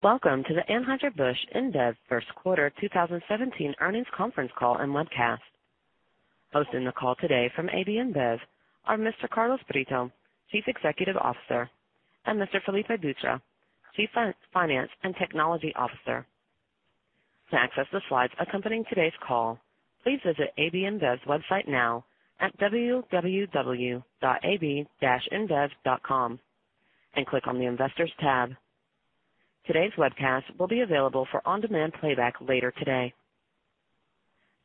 Welcome to the Anheuser-Busch InBev first quarter 2017 earnings conference call and webcast. Hosting the call today from AB InBev are Mr. Carlos Brito, Chief Executive Officer, and Mr. Felipe Dutra, Chief Finance and Technology Officer. To access the slides accompanying today's call, please visit ab-inbev.com and click on the investors tab. Today's webcast will be available for on-demand playback later today.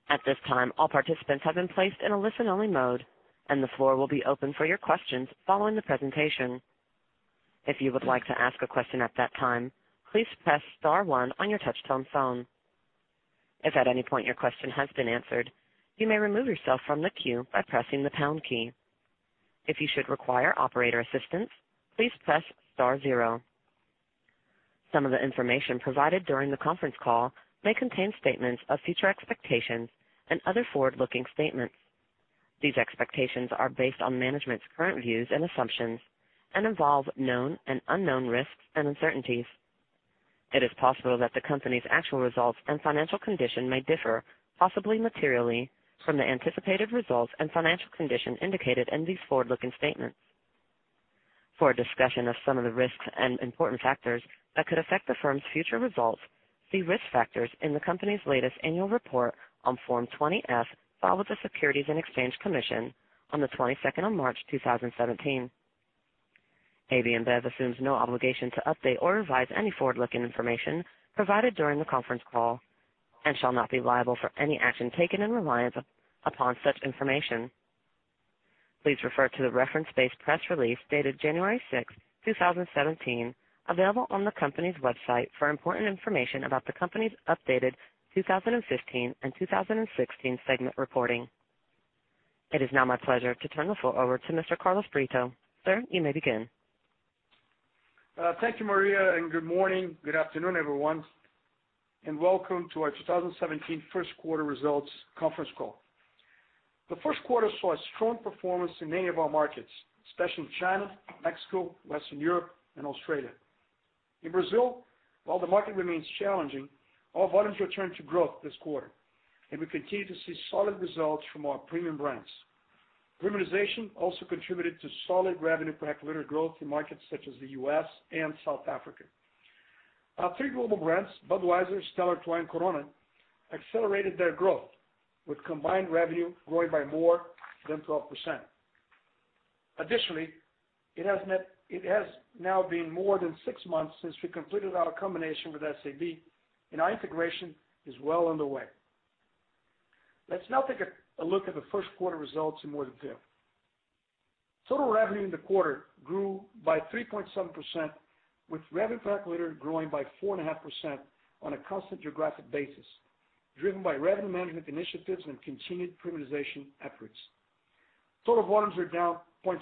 At this time, all participants have been placed in a listen-only mode, and the floor will be open for your questions following the presentation. If you would like to ask a question at that time, please press star one on your touch-tone phone. If at any point your question has been answered, you may remove yourself from the queue by pressing the pound key. If you should require operator assistance, please press star zero. Some of the information provided during the conference call may contain statements of future expectations and other forward-looking statements. These expectations are based on management's current views and assumptions and involve known and unknown risks and uncertainties. It is possible that the company's actual results and financial condition may differ, possibly materially, from the anticipated results and financial condition indicated in these forward-looking statements. For a discussion of some of the risks and important factors that could affect the firm's future results, see risk factors in the company's latest annual report on Form 20-F filed with the Securities and Exchange Commission on the 22nd of March 2017. AB InBev assumes no obligation to update or revise any forward-looking information provided during the conference call and shall not be liable for any action taken in reliance upon such information. Please refer to the reference-based press release dated January 6, 2017, available on the company's website for important information about the company's updated 2015 and 2016 segment reporting. It is now my pleasure to turn the floor over to Mr. Carlos Brito. Sir, you may begin. Thank you, Maria. Good morning, good afternoon, everyone, and welcome to our 2017 first quarter results conference call. The first quarter saw a strong performance in many of our markets, especially China, Mexico, Western Europe, and Australia. In Brazil, while the market remains challenging, our volumes returned to growth this quarter, and we continue to see solid results from our premium brands. Premiumization also contributed to solid revenue per hectoliter growth in markets such as the U.S. and South Africa. Our three global brands, Budweiser, Stella Artois, and Corona, accelerated their growth with combined revenue growing by more than 12%. Additionally, it has now been more than six months since we completed our combination with SAB, and our integration is well underway. Let's now take a look at the first quarter results in more detail. Total revenue in the quarter grew by 3.7%, with revenue per hectoliter growing by 4.5% on a constant geographic basis, driven by revenue management initiatives and continued premiumization efforts. Total volumes are down 0.5%,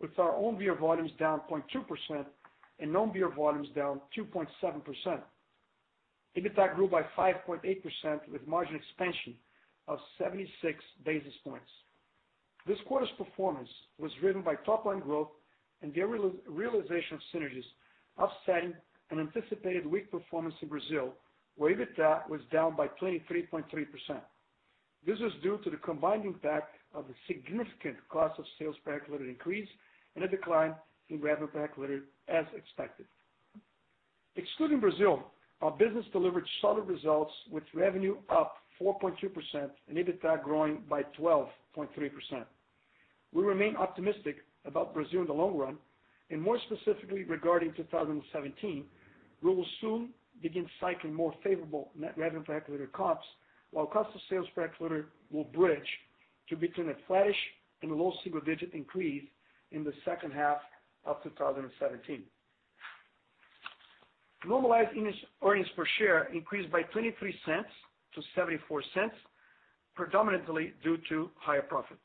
with our own beer volumes down 0.2% and non-beer volumes down 2.7%. EBITDA grew by 5.8% with margin expansion of 76 basis points. This quarter's performance was driven by top-line growth and the realization of synergies offsetting an anticipated weak performance in Brazil, where EBITDA was down by 23.3%. This was due to the combined impact of the significant cost of sales per hectoliter increase and a decline in revenue per hectoliter as expected. Excluding Brazil, our business delivered solid results with revenue up 4.2% and EBITDA growing by 12.3%. We remain optimistic about Brazil in the long run and more specifically regarding 2017, we will soon begin cycling more favorable net revenue per hectoliter comps while cost of sales per hectoliter will bridge to between a flattish and a low single-digit increase in the second half of 2017. Normalized earnings per share increased by $0.23 to $0.74, predominantly due to higher profit.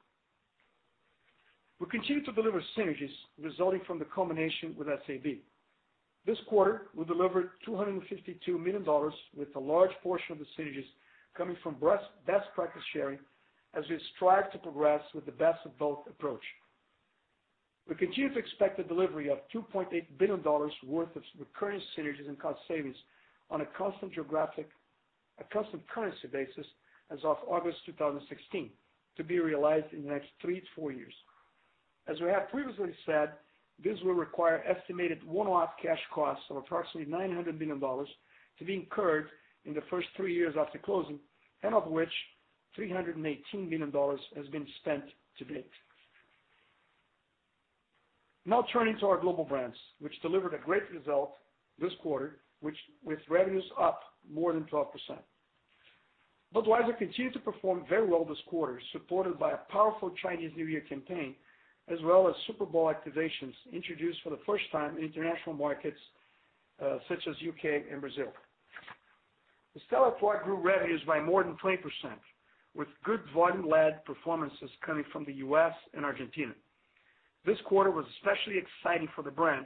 We continue to deliver synergies resulting from the combination with SAB. This quarter, we delivered $252 million with a large portion of the synergies coming from best practice sharing as we strive to progress with the best of both approach. We continue to expect the delivery of $2.8 billion worth of recurring synergies and cost savings on a constant currency basis as of August 2016 to be realized in the next three to four years. As we have previously said, this will require estimated one-off cash costs of approximately $900 million to be incurred in the first three years after closing, and of which $318 million has been spent to date. Turning to our global brands, which delivered a great result this quarter with revenues up more than 12%. Budweiser continued to perform very well this quarter, supported by a powerful Chinese New Year campaign, as well as Super Bowl activations introduced for the first time in international markets such as U.K. and Brazil. Stella Artois grew revenues by more than 20%, with good volume-led performances coming from the U.S. and Argentina. This quarter was especially exciting for the brand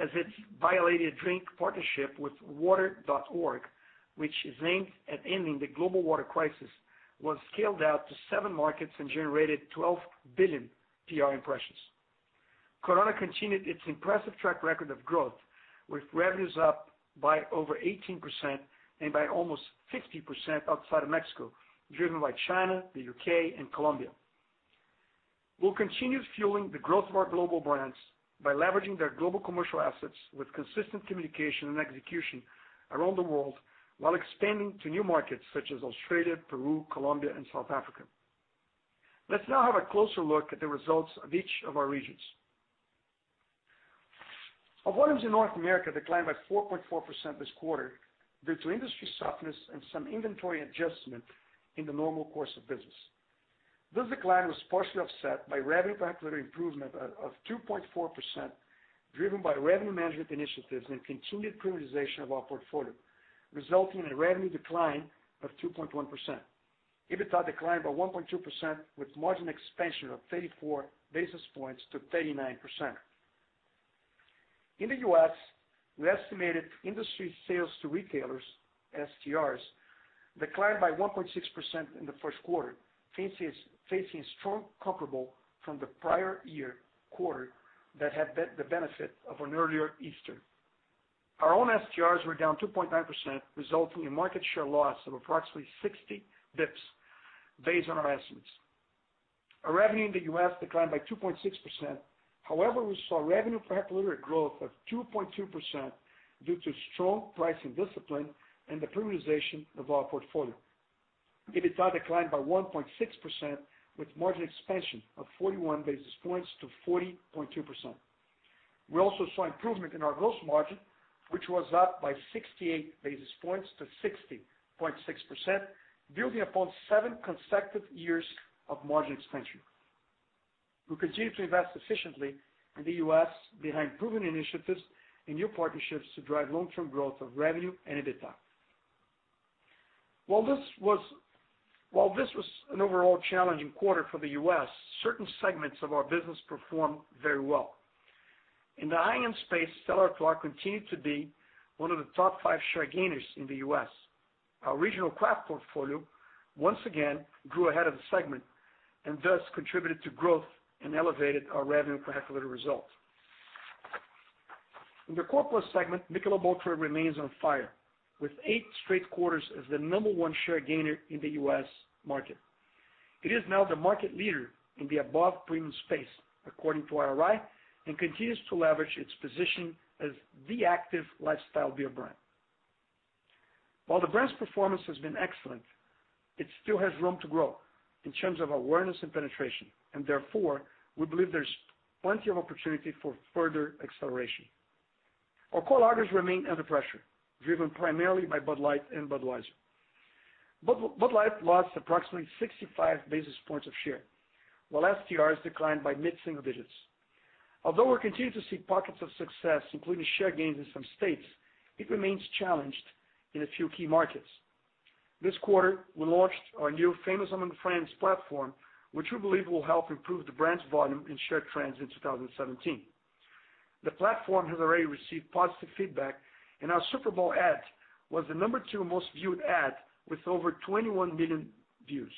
as it validated a drink partnership with Water.org, which is aimed at ending the global water crisis, was scaled out to seven markets and generated 12 billion PR impressions. Corona continued its impressive track record of growth, with revenues up by over 18% and by almost 60% outside of Mexico, driven by China, the U.K., and Colombia. We'll continue fueling the growth of our global brands by leveraging their global commercial assets with consistent communication and execution around the world, while expanding to new markets such as Australia, Peru, Colombia, and South Africa. Let's now have a closer look at the results of each of our regions. Our volumes in North America declined by 4.4% this quarter due to industry softness and some inventory adjustment in the normal course of business. This decline was partially offset by revenue per hectoliter improvement of 2.4%, driven by revenue management initiatives and continued premiumization of our portfolio, resulting in a revenue decline of 2.1%. EBITDA declined by 1.2% with margin expansion of 34 basis points to 39%. In the U.S., we estimated industry sales to retailers, STRs, declined by 1.6% in the first quarter, facing strong comparable from the prior year quarter that had the benefit of an earlier Easter. Our own STRs were down 2.9%, resulting in market share loss of approximately 60 basis points based on our estimates. Our revenue in the U.S. declined by 2.6%. However, we saw revenue per hectoliter growth of 2.2% due to strong pricing discipline and the premiumization of our portfolio. EBITDA declined by 1.6%, with margin expansion of 41 basis points to 40.2%. We also saw improvement in our gross margin, which was up by 68 basis points to 60.6%, building upon seven consecutive years of margin expansion. We continue to invest efficiently in the U.S. behind proven initiatives and new partnerships to drive long-term growth of revenue and EBITDA. While this was an overall challenging quarter for the U.S., certain segments of our business performed very well. In the high-end space, Stella Artois continued to be one of the top five share gainers in the U.S. Our regional craft portfolio once again grew ahead of the segment and thus contributed to growth and elevated our revenue per hectoliter result. In the core plus segment, Michelob ULTRA remains on fire, with eight straight quarters as the number one share gainer in the U.S. market. It is now the market leader in the above premium space, according to IRI, and continues to leverage its position as the active lifestyle beer brand. While the brand's performance has been excellent, it still has room to grow in terms of awareness and penetration, and therefore, we believe there's plenty of opportunity for further acceleration. Our core lagers remain under pressure, driven primarily by Bud Light and Budweiser. Bud Light lost approximately 65 basis points of share, while STRs declined by mid-single digits. Although we continue to see pockets of success, including share gains in some states, it remains challenged in a few key markets. This quarter, we launched our new Famous Among Friends platform, which we believe will help improve the brand's volume and share trends in 2017. The platform has already received positive feedback, and our Super Bowl ad was the number two most viewed ad with over 21 million views.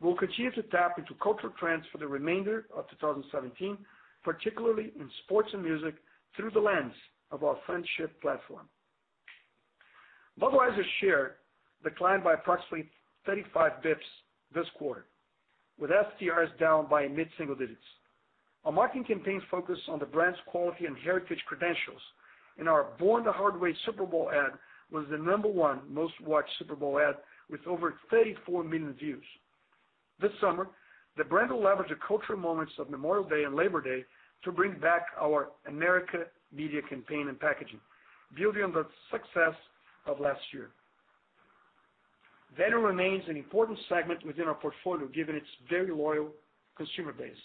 We'll continue to tap into cultural trends for the remainder of 2017, particularly in sports and music, through the lens of our friendship platform. Budweiser share declined by approximately 35 basis points this quarter, with STRs down by mid-single digits. Our marketing campaigns focus on the brand's quality and heritage credentials, and our Born the Hard Way Super Bowl ad was the number one most-watched Super Bowl ad with over 34 million views. This summer, the brand will leverage the cultural moments of Memorial Day and Labor Day to bring back our America media campaign and packaging, building on the success of last year. Value remains an important segment within our portfolio, given its very loyal consumer base.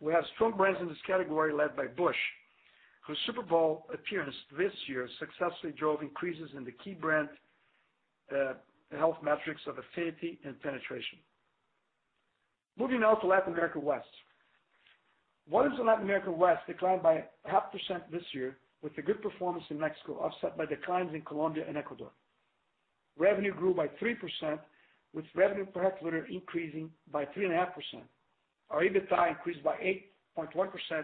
We have strong brands in this category led by Busch, whose Super Bowl appearance this year successfully drove increases in the key brand health metrics of affinity and penetration. Moving now to Latin America West. Volumes in Latin America West declined by half a percent this year, with the good performance in Mexico offset by declines in Colombia and Ecuador. Revenue grew by 3%, with revenue per hectoliter increasing by 3.5%. Our EBITDA increased by 8.1%,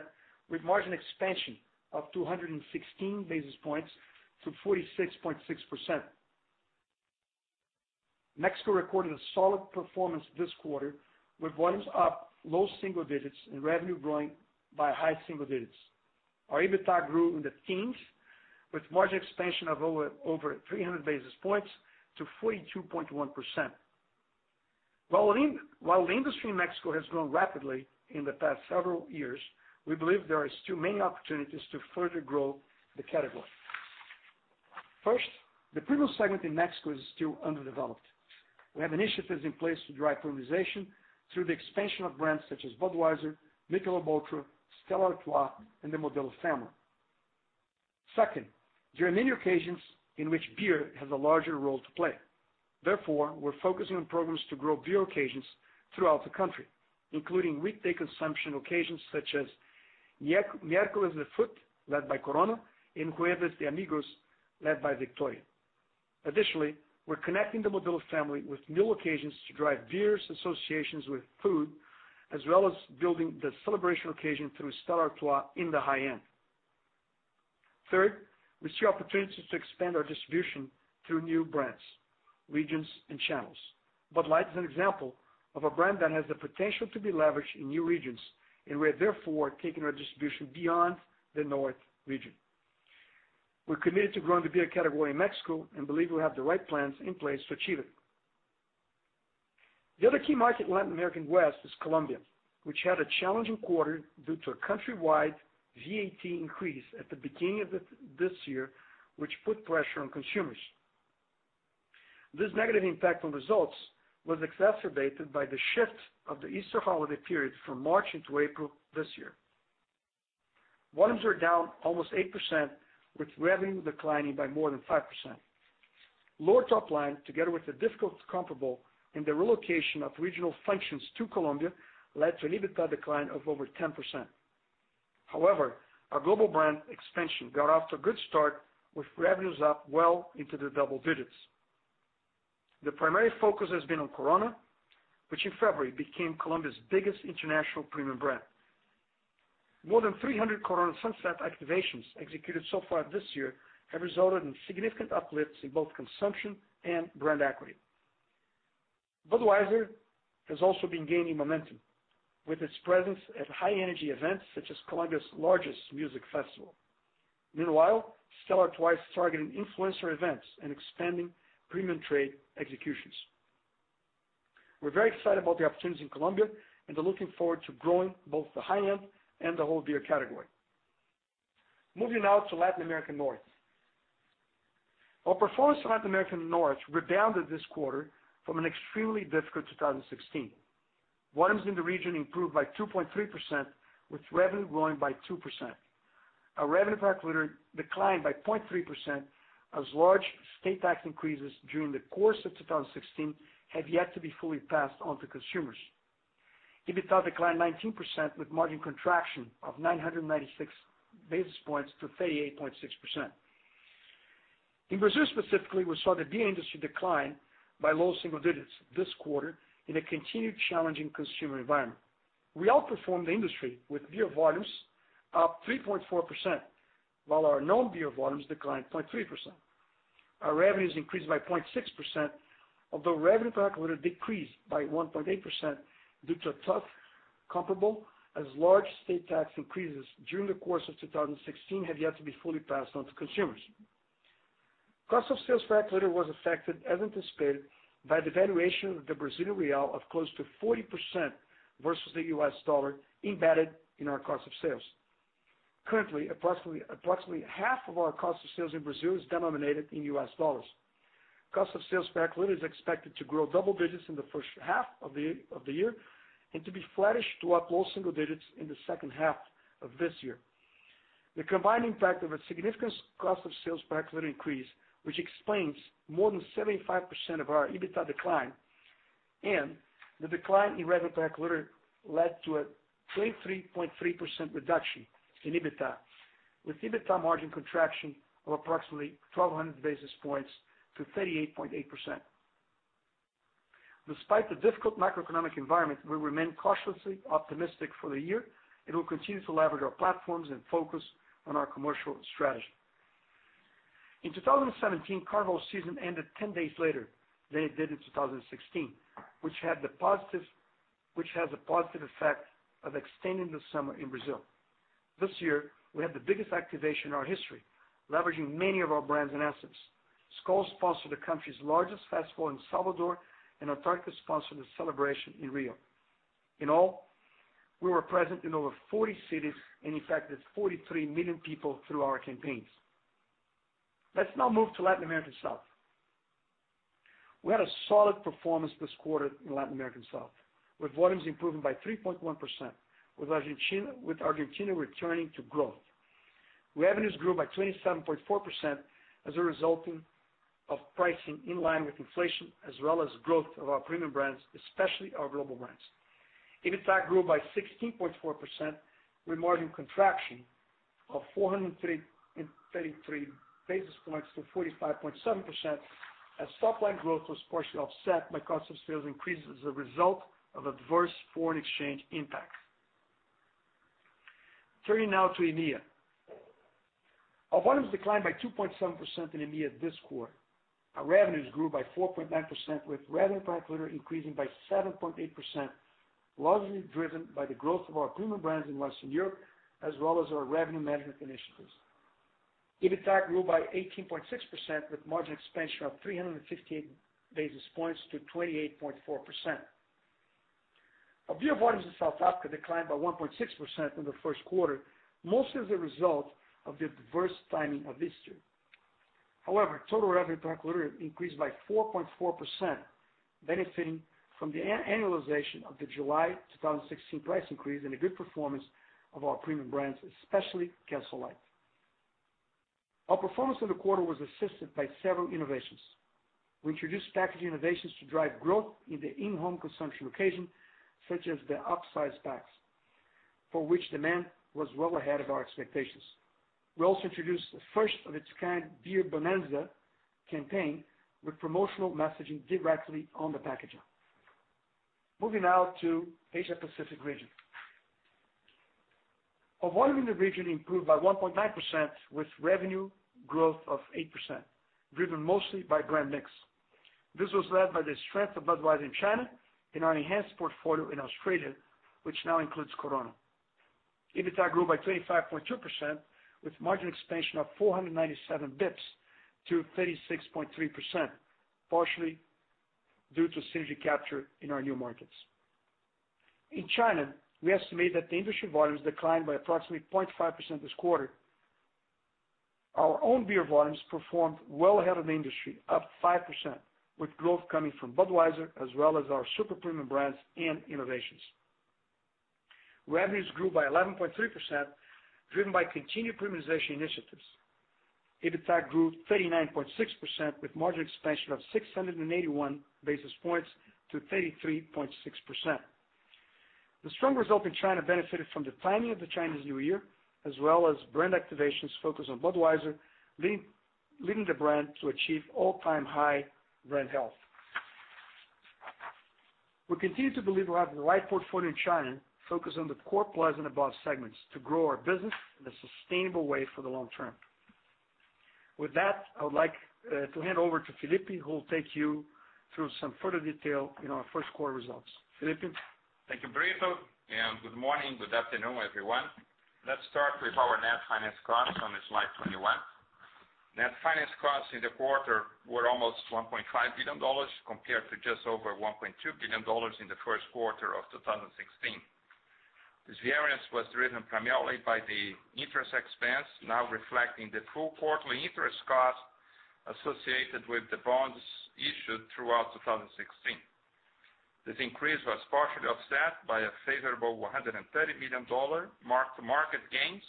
with margin expansion of 216 basis points to 46.6%. Mexico recorded a solid performance this quarter with volumes up low single digits and revenue growing by high single digits. Our EBITDA grew in the teens, with margin expansion of over 300 basis points to 42.1%. While the industry in Mexico has grown rapidly in the past several years, we believe there are still many opportunities to further grow the category. First, the premium segment in Mexico is still underdeveloped. We have initiatives in place to drive premiumization through the expansion of brands such as Budweiser, Michelob ULTRA, Stella Artois, and the Modelo family. Second, there are many occasions in which beer has a larger role to play. We're focusing on programs to grow beer occasions throughout the country, including weekday consumption occasions such as Miércoles de Fut, led by Corona, and Jueves de Amigos, led by Victoria. We're connecting the Modelo family with new occasions to drive beer's associations with food, as well as building the celebration occasion through Stella Artois in the high-end. Third, we see opportunities to expand our distribution through new brands, regions, and channels. Bud Light is an example of a brand that has the potential to be leveraged in new regions, we have therefore taken our distribution beyond the north region. We're committed to growing the beer category in Mexico and believe we have the right plans in place to achieve it. The other key market in Latin American West is Colombia, which had a challenging quarter due to a countrywide VAT increase at the beginning of this year, which put pressure on consumers. This negative impact on results was exacerbated by the shift of the Easter holiday period from March into April this year. Volumes are down almost 8% with revenue declining by more than 5%. Lower top line, together with a difficult comparable and the relocation of regional functions to Colombia, led to an EBITDA decline of over 10%. Our global brand expansion got off to a good start with revenues up well into the double digits. The primary focus has been on Corona, which in February became Colombia's biggest international premium brand. More than 300 Corona Sunset activations executed so far this year have resulted in significant uplifts in both consumption and brand equity. Budweiser has also been gaining momentum with its presence at high-energy events such as Colombia's largest music festival. Meanwhile, Stella Artois is targeting influencer events and expanding premium trade executions. We're very excited about the opportunities in Colombia and are looking forward to growing both the high-end and the whole beer category. Moving now to Latin American North. Our performance in Latin American North rebounded this quarter from an extremely difficult 2016. Volumes in the region improved by 2.3% with revenue growing by 2%. Our revenue per hectoliter declined by 0.3% as large state tax increases during the course of 2016 have yet to be fully passed on to consumers. EBITDA declined 19% with margin contraction of 996 basis points to 38.6%. In Brazil specifically, we saw the beer industry decline by low single digits this quarter in a continued challenging consumer environment. We outperformed the industry with beer volumes up 3.4%, while our non-beer volumes declined 0.3%. Our revenues increased by 0.6%, although revenue per hectoliter decreased by 1.8% due to a tough comparable as large state tax increases during the course of 2016 have yet to be fully passed on to consumers. Cost of sales per hectoliter was affected, as anticipated, by the valuation of the Brazilian real of close to 40% versus the US dollar embedded in our cost of sales. Currently, approximately half of our cost of sales in Brazil is denominated in US dollars. Cost of sales per hectoliter is expected to grow double digits in the first half of the year and to be flattish to up low single digits in the second half of this year. The combined impact of a significant cost of sales per hectoliter increase, which explains more than 75% of our EBITDA decline and the decline in revenue per hectoliter led to a 23.3% reduction in EBITDA with EBITDA margin contraction of approximately 1,200 basis points to 38.8%. Despite the difficult macroeconomic environment, we remain cautiously optimistic for the year and will continue to leverage our platforms and focus on our commercial strategy. In 2017, Carnival season ended 10 days later than it did in 2016, which has a positive effect of extending the summer in Brazil. This year, we had the biggest activation in our history, leveraging many of our brands and assets. Skol sponsored the country's largest festival in Salvador and Antarctica sponsored the celebration in Rio. In all, we were present in over 40 cities and impacted 43 million people through our campaigns. Let's now move to Latin American South. We had a solid performance this quarter in Latin American South, with volumes improving by 3.1% with Argentina returning to growth. Revenues grew by 27.4% as a result of pricing in line with inflation as well as growth of our premium brands, especially our global brands. EBITDA grew by 16.4% with margin contraction of 433 basis points to 45.7% as top line growth was partially offset by cost of sales increases as a result of adverse foreign exchange impact. Turning now to EMEA. Our volumes declined by 2.7% in EMEA this quarter. Our revenues grew by 4.9% with revenue per hectoliter increasing by 7.8%, largely driven by the growth of our premium brands in Western Europe as well as our revenue management initiatives. EBITDA grew by 18.6% with margin expansion of 358 basis points to 28.4%. Our beer volumes in South Africa declined by 1.6% in the first quarter, mostly as a result of the adverse timing of Easter. However, total revenue per hectoliter increased by 4.4%, benefiting from the annualization of the July 2016 price increase and a good performance of our premium brands, especially Castle Lite. Our performance in the quarter was assisted by several innovations. We introduced packaging innovations to drive growth in the in-home consumption occasion, such as the upsize packs. For which demand was well ahead of our expectations. We also introduced the first of its kind Beer Bonanza campaign with promotional messaging directly on the packaging. Moving now to Asia Pacific region. Our volume in the region improved by 1.9% with revenue growth of 8%, driven mostly by brand mix. This was led by the strength of Budweiser in China and our enhanced portfolio in Australia, which now includes Corona. EBITDA grew by 25.2% with margin expansion of 497 basis points to 36.3%, partially due to synergy capture in our new markets. In China, we estimate that the industry volumes declined by approximately 0.5% this quarter. Our own beer volumes performed well ahead of the industry, up 5%, with growth coming from Budweiser as well as our super premium brands and innovations. Revenues grew by 11.3%, driven by continued premiumization initiatives. EBITDA grew 39.6% with margin expansion of 681 basis points to 33.6%. The strong result in China benefited from the timing of the Chinese New Year, as well as brand activations focused on Budweiser, leading the brand to achieve all-time high brand health. We continue to believe we have the right portfolio in China, focused on the core plus and above segments to grow our business in a sustainable way for the long term. With that, I would like to hand over to Felipe, who will take you through some further detail in our first quarter results. Felipe? Thank you, Brito. Good morning, good afternoon, everyone. Let's start with our net finance costs on slide 21. Net finance costs in the quarter were almost $1.5 billion compared to just over $1.2 billion in the first quarter of 2016. This variance was driven primarily by the interest expense now reflecting the full quarterly interest cost associated with the bonds issued throughout 2016. This increase was partially offset by a favorable $130 million mark-to-market gains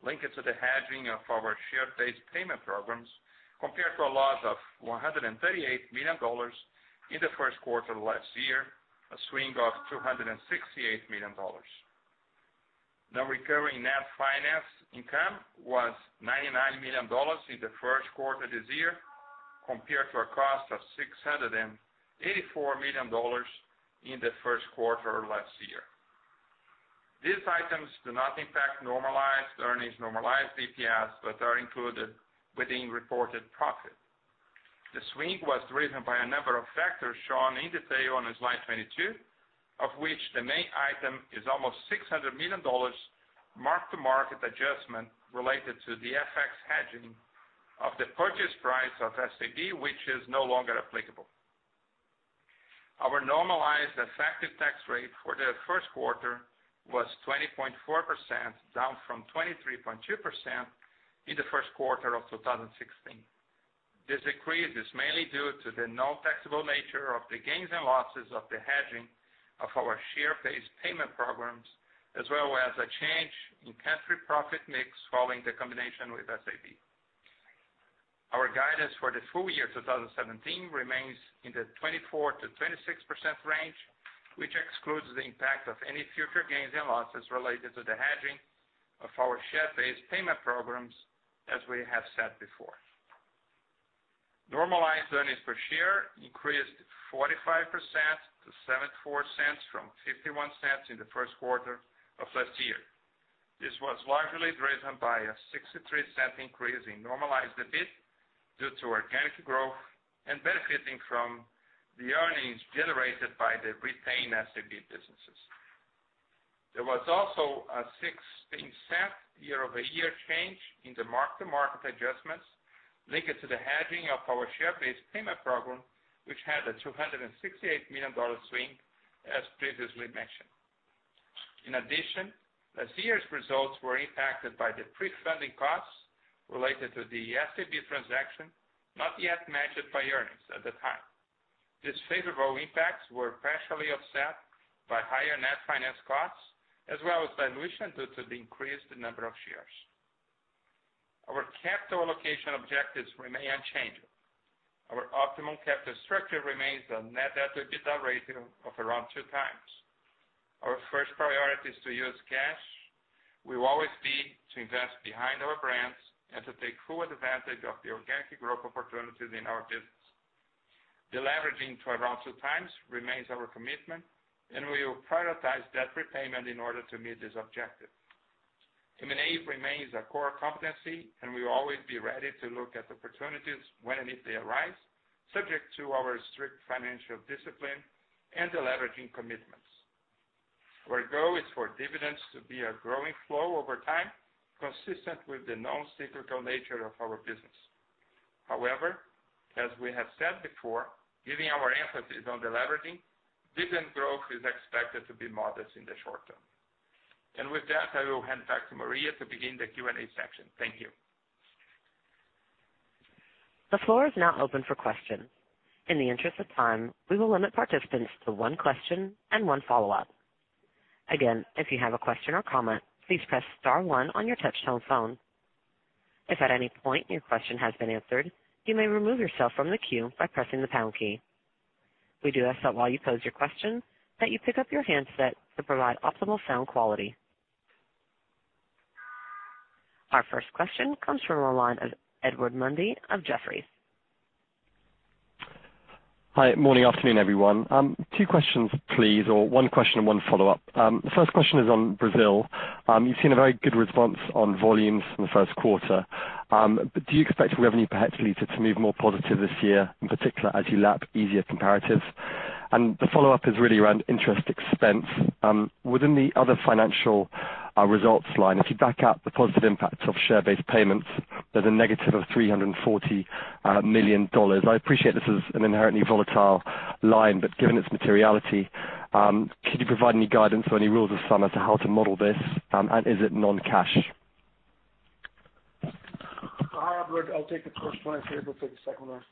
linked to the hedging of our share-based payment programs, compared to a loss of $138 million in the first quarter last year, a swing of $268 million. Non-recurring net finance income was $99 million in the first quarter this year, compared to a cost of $684 million in the first quarter last year. These items do not impact normalized earnings, normalized EPS, but are included within reported profit. The swing was driven by a number of factors shown in detail on slide 22, of which the main item is almost $600 million mark-to-market adjustment related to the FX hedging of the purchase price of SAB, which is no longer applicable. Our normalized effective tax rate for the first quarter was 20.4%, down from 23.2% in the first quarter of 2016. This decrease is mainly due to the non-taxable nature of the gains and losses of the hedging of our share-based payment programs, as well as a change in country profit mix following the combination with SAB. Our guidance for the full year 2017 remains in the 24%-26% range, which excludes the impact of any future gains and losses related to the hedging of our share-based payment programs, as we have said before. Normalized earnings per share increased 45% to $0.74 from $0.51 in the first quarter of last year. This was largely driven by a $0.63 increase in normalized EBIT due to organic growth and benefiting from the earnings generated by the retained SAB businesses. There was also a $0.16 year-over-year change in the mark-to-market adjustments linked to the hedging of our share-based payment program, which had a $268 million swing, as previously mentioned. In addition, last year's results were impacted by the pre-funding costs related to the SAB transaction, not yet matched by earnings at the time. These favorable impacts were partially offset by higher net finance costs as well as dilution due to the increased number of shares. Our capital allocation objectives remain unchanged. Our optimum capital structure remains a net debt to EBITDA ratio of around two times. Our first priority is to use cash. We will always seek to invest behind our brands and to take full advantage of the organic growth opportunities in our business. Deleveraging to around two times remains our commitment, and we will prioritize debt repayment in order to meet this objective. M&A remains a core competency, and we will always be ready to look at opportunities when and if they arise, subject to our strict financial discipline and deleveraging commitments. Our goal is for dividends to be a growing flow over time, consistent with the non-cyclical nature of our business. However, as we have said before, given our emphasis on deleveraging, dividend growth is expected to be modest in the short term. With that, I will hand back to Maria to begin the Q&A section. Thank you. The floor is now open for questions. In the interest of time, we will limit participants to one question and one follow-up. Again, if you have a question or comment, please press star one on your touch-tone phone. If at any point your question has been answered, you may remove yourself from the queue by pressing the pound key. We do ask that while you pose your question, that you pick up your handset to provide optimal sound quality. Our first question comes from the line of Edward Mundy of Jefferies. Hi, morning, afternoon, everyone. Two questions, please, or one question and one follow-up. The first question is on Brazil. You've seen a very good response on volumes in the first quarter. Do you expect revenue per hectoliter to move more positive this year, in particular as you lap easier comparatives? The follow-up is really around interest expense. Within the other financial results line, if you back out the positive impacts of share-based payments, there's a negative of $340 million. I appreciate this is an inherently volatile line, but given its materiality, could you provide any guidance or any rules of thumb as to how to model this? Is it non-cash? Hi, Edward. I'll take the first one, and Felipe will take the second one.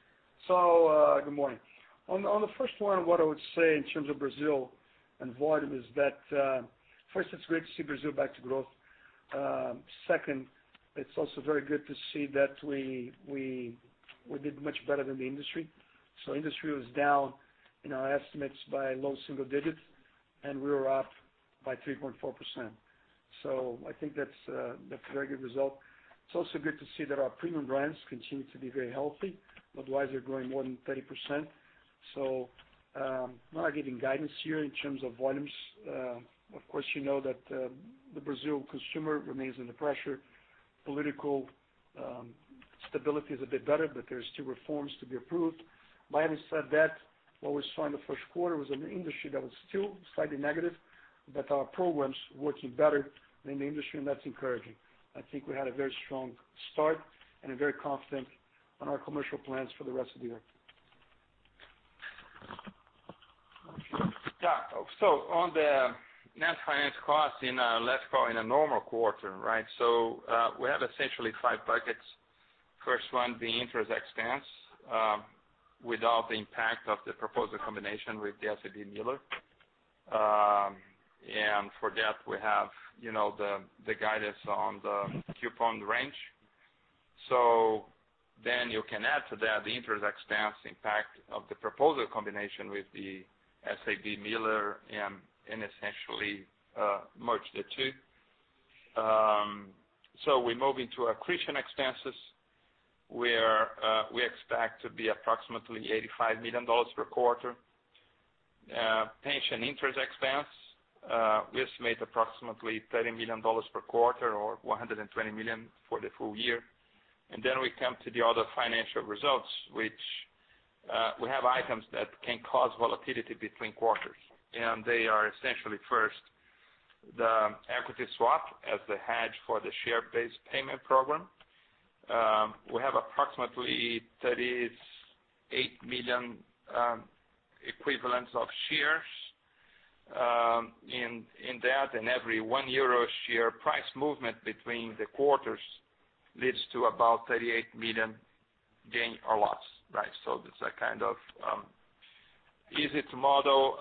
Good morning. On the first one, what I would say in terms of Brazil and volume is that, first, it's great to see Brazil back to growth. Second, it's also very good to see that we did much better than the industry. Industry was down in our estimates by low single digits, and we were up by 3.4%. I think that's a very good result. It's also good to see that our premium brands continue to be very healthy. Budweiser growing more than 30%. I'm not giving guidance here in terms of volumes. Of course, you know that the Brazil consumer remains under pressure. Political stability is a bit better, but there's still reforms to be approved. Having said that, what we saw in the first quarter was an industry that was still slightly negative, but our program's working better than the industry. That's encouraging. I think we had a very strong start and are very confident on our commercial plans for the rest of the year. Yeah. On the net finance cost in, let's call in a normal quarter, right? We have essentially five buckets. First one being interest expense, without the impact of the proposed combination with SABMiller. For that, we have the guidance on the coupon range. Then you can add to that the interest expense impact of the proposed combination with the SABMiller, essentially merge the two. We move into accretion expenses, where we expect to be approximately $85 million per quarter. Pension interest expense, we estimate approximately $30 million per quarter or $120 million for the full year. Then we come to the other financial results, which we have items that can cause volatility between quarters. They are essentially first, the equity swap as the hedge for the share-based payment program. We have approximately 38 million equivalents of shares in that, and every one euro share price movement between the quarters leads to about 38 million gain or loss. That's kind of easy to model,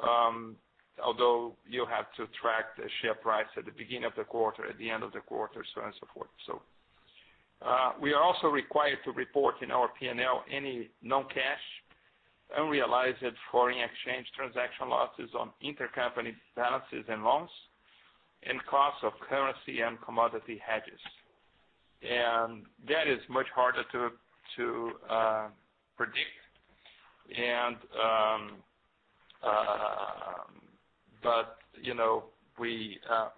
although you have to track the share price at the beginning of the quarter, at the end of the quarter, so on and so forth. We are also required to report in our P&L any non-cash, unrealized foreign exchange transaction losses on intercompany balances and loans, costs of currency and commodity hedges. That is much harder to predict.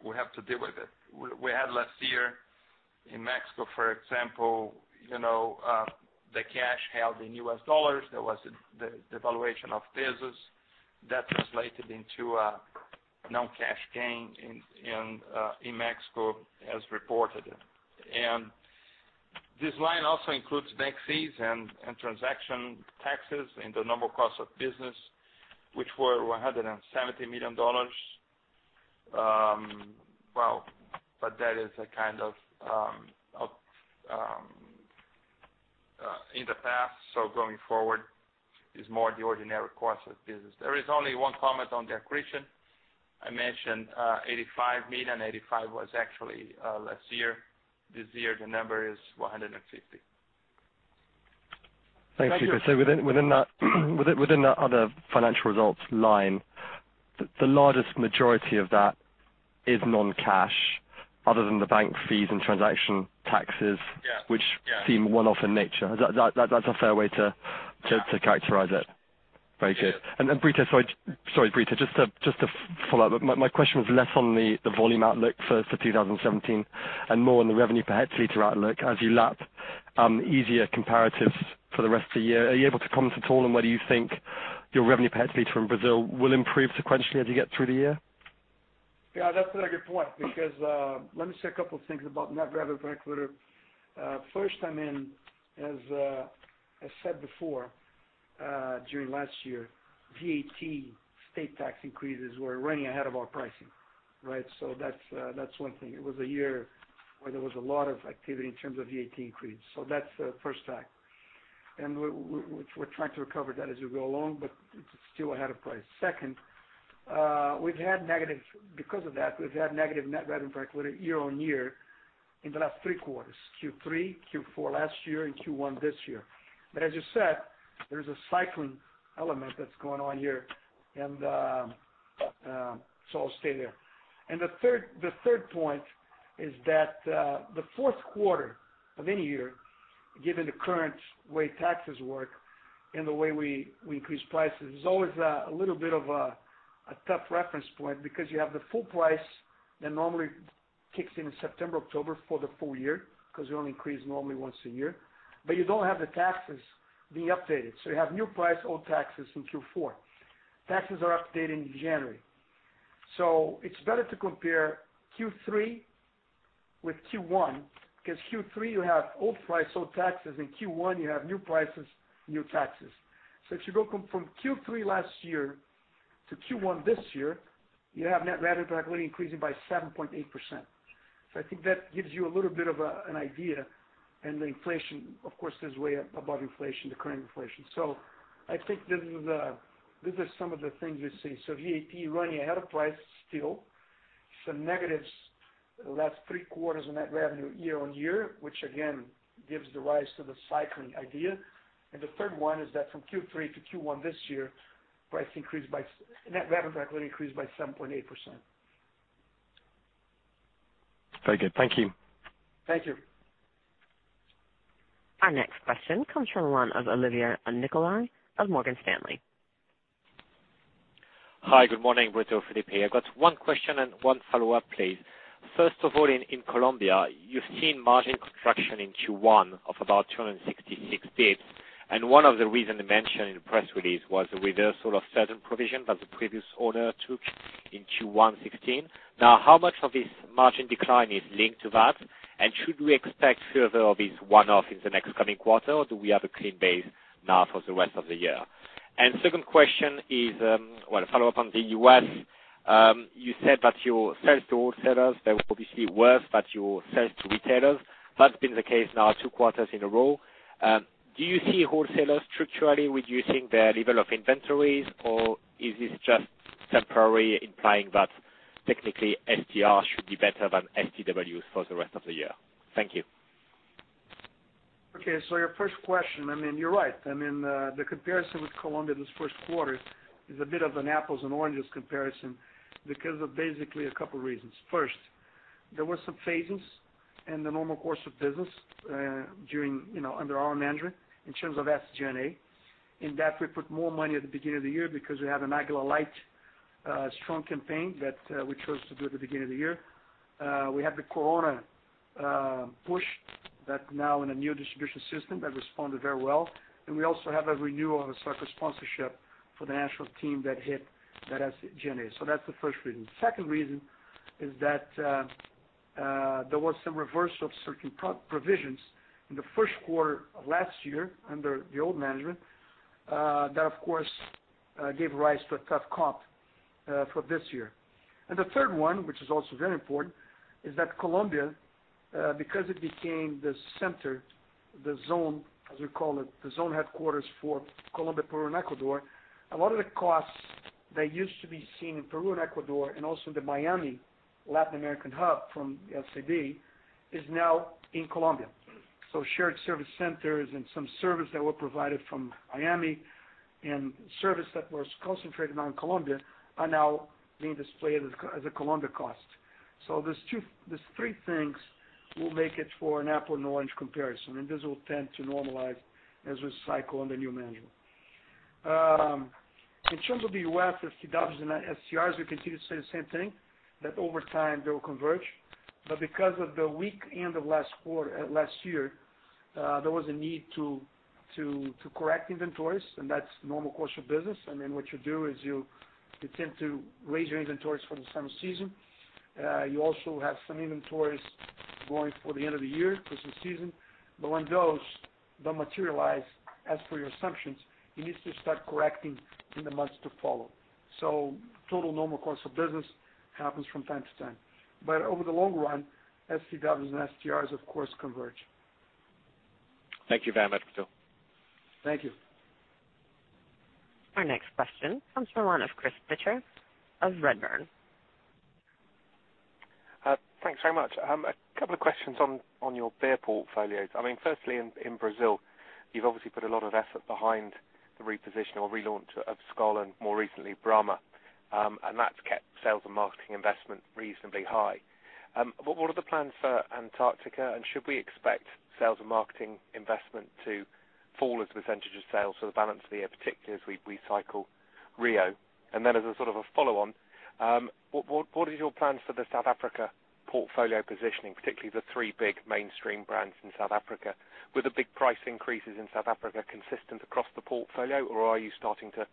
We have to deal with it. We had last year in Mexico, for example, the cash held in US dollars, there was the devaluation of pesos that translated into a non-cash gain in Mexico as reported. This line also includes bank fees and transaction taxes and the normal cost of business, which were $170 million. That is a kind of in the past, so going forward is more the ordinary course of business. There is only one comment on the accretion. I mentioned $85 million. 85 was actually last year. This year, the number is 150. Thanks. Within that other financial results line, the largest majority of that is non-cash other than the bank fees and transaction taxes. Yeah. Which seem one-off in nature. Is that a fair way to characterize it? Yeah. Very good. Brito, sorry, just to follow up, my question was less on the volume outlook for 2017 and more on the revenue per hectoliter outlook as you lap easier comparatives for the rest of the year. Are you able to comment at all on whether you think your revenue per hectoliter in Brazil will improve sequentially as you get through the year? Yeah, that's a very good point because let me say a couple things about net revenue per hectoliter. First, I mean, as I said before, during last year, VAT state tax increases were running ahead of our pricing. That's one thing. It was a year where there was a lot of activity in terms of VAT increase. That's the first fact. We're trying to recover that as we go along, but it's still ahead of price. Second, because of that, we've had negative net revenue per hectoliter year-on-year in the last three quarters, Q3, Q4 last year and Q1 this year. As you said, there's a cycling element that's going on here. I'll stay there. The third point is that, the fourth quarter of any year, given the current way taxes work and the way we increase prices, is always a little bit of a tough reference point because you have the full price that normally kicks in September, October for the full year, because we only increase normally once a year, but you don't have the taxes being updated. You have new price, old taxes in Q4. Taxes are updated in January. It's better to compare Q3 with Q1, because Q3 you have old price, old taxes. In Q1 you have new prices, new taxes. If you go from Q3 last year to Q1 this year, you have net revenue per hectoliter increasing by 7.8%. I think that gives you a little bit of an idea. The inflation, of course, is way above inflation, the current inflation. I think these are some of the things you see. VAT running ahead of price still. Some negatives, the last three quarters of net revenue year-on-year, which again, gives rise to the cycling idea. The third one is that from Q3 to Q1 this year, net revenue per hectoliter increased by 7.8%. Very good. Thank you. Thank you. Our next question comes from the line of Olivier Nicolai of Morgan Stanley. Hi, good morning, Brito, Felipe here. I've got one question and one follow-up, please. First of all, in Colombia, you've seen margin contraction in Q1 of about 266 basis points, and one of the reasons mentioned in the press release was the reversal of certain provisions that the previous owner took in Q1 2016. How much of this margin decline is linked to that? Should we expect further of this one-off in the next coming quarter, or do we have a clean base now for the rest of the year? Second question is, well, a follow-up on the U.S. You said that your sales to wholesalers, they were obviously worse than your sales to retailers. That's been the case now two quarters in a row. Do you see wholesalers structurally reducing their level of inventories, or is this just temporary, implying that technically STR should be better than STW for the rest of the year? Thank you. Okay. Your first question, you're right. The comparison with Colombia this first quarter is a bit of an apples and oranges comparison because of basically a couple of reasons. First, there were some phases in the normal course of business under our management in terms of SG&A, in that we put more money at the beginning of the year because we had an Águila Light strong campaign that we chose to do at the beginning of the year. We had the Corona push that's now in a new distribution system that responded very well. We also have a renewal of a soccer sponsorship for the national team that hit that SG&A. That's the first reason. Second reason is that there was some reversal of certain provisions in the first quarter of last year under the old management, that of course, gave rise to a tough comp, for this year. The third one, which is also very important, is that Colombia, because it became the center, the zone, as we call it, the zone headquarters for Colombia, Peru, and Ecuador, a lot of the costs that used to be seen in Peru and Ecuador and also the Miami Latin American hub from SAB, is now in Colombia. Shared service centers and some services that were provided from Miami and services that were concentrated now in Colombia are now being displayed as a Colombia cost. These three things will make it for an apple and orange comparison, and this will tend to normalize as we cycle under new management. In terms of the U.S. STWs and STRs, we continue to say the same thing, that over time they will converge. Because of the weak end of last year, there was a need to correct inventories, and that's the normal course of business. What you do is you tend to raise your inventories for the summer season. You also have some inventories going for the end of the year, Christmas season. When those don't materialize as per your assumptions, you need to start correcting in the months to follow. Total normal course of business happens from time to time. Over the long run, STWs and STRs of course converge. Thank you very much, Brito. Thank you. Our next question comes from the line of Chris Pitcher of Redburn. Thanks very much. A couple of questions on your beer portfolios. Firstly, in Brazil, you've obviously put a lot of effort behind the reposition or relaunch of Skol and more recently Brahma. That's kept sales and marketing investment reasonably high. What are the plans for Antarctica, and should we expect sales and marketing investment to fall as a percentage of sales for the balance of the year, particularly as we recycle Rio? As a follow-on, what is your plans for the South Africa portfolio positioning, particularly the three big mainstream brands in South Africa? Were the big price increases in South Africa consistent across the portfolio, or are you starting to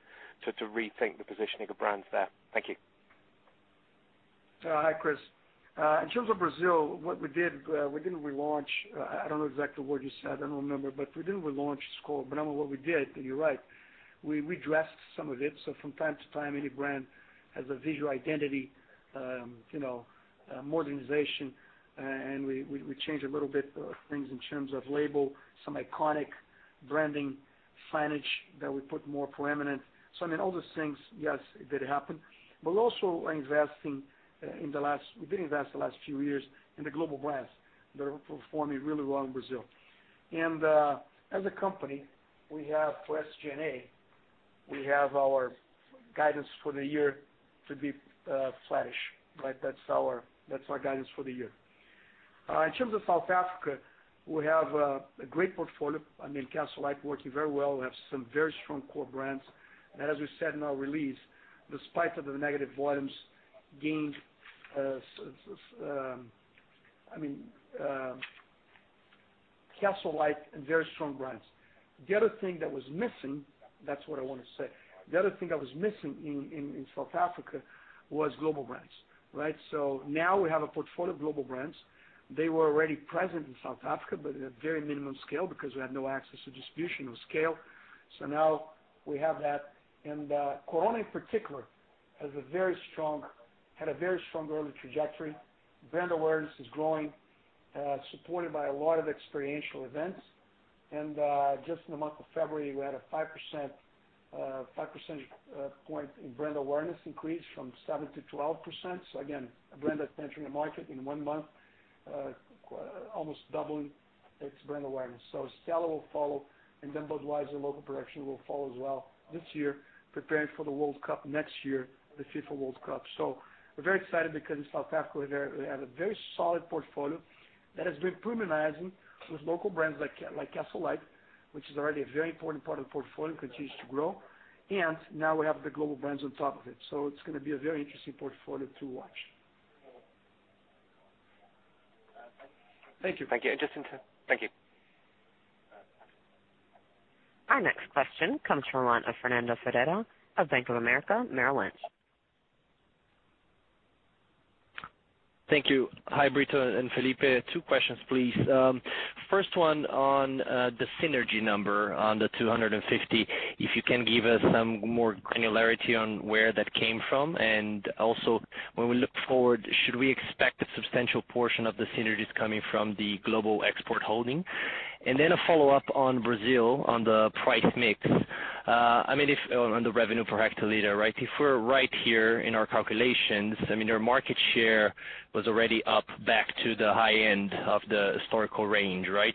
rethink the positioning of brands there? Thank you. Hi, Chris. In terms of Brazil, what we did, we didn't relaunch. I don't know exactly what you said. I don't remember. We didn't relaunch Skol. What we did, and you're right. We redressed some of it. From time to time, any brand has a visual identity modernization, and we change a little bit of things in terms of label, some iconic branding signage that we put more preeminent. I mean, all those things, yes, it did happen. Also investing, we've been investing the last few years in the global brands that are performing really well in Brazil. As a company, we have for SG&A, we have our guidance for the year to be flattish. That's our guidance for the year. In terms of South Africa, we have a great portfolio. I mean, Castle Lite working very well. As we said in our release, despite of the negative volumes gained, Castle Lite and very strong brands. The other thing that was missing, that's what I want to say. The other thing that was missing in South Africa was global brands, right? Now we have a portfolio of global brands. They were already present in South Africa, but in a very minimum scale because we had no access to distribution or scale. Now we have that. Corona in particular had a very strong early trajectory. Brand awareness is growing, supported by a lot of experiential events. Just in the month of February, we had a 5% point in brand awareness increase from 7% to 12%. Again, a brand that's entering a market in one month almost doubling its brand awareness. Stella will follow, and then Budweiser local production will follow as well this year, preparing for the World Cup next year, the FIFA World Cup. We're very excited because in South Africa, we have a very solid portfolio that has been provenizing with local brands like Castle Lite, which is already a very important part of the portfolio, continues to grow. Now we have the global brands on top of it. It's going to be a very interesting portfolio to watch. Thank you. Thank you. Our next question comes from the line of Fernando Ferreira of Bank of America Merrill Lynch. Thank you. Hi, Brito and Felipe. Two questions, please. First one on the synergy number on the $250, if you can give us some more granularity on where that came from. Also when we look forward, should we expect a substantial portion of the synergies coming from the global export holding? Then a follow-up on Brazil on the price mix. On the revenue per hectoliter. If we're right here in our calculations, I mean, your market share was already up back to the high end of the historical range, right?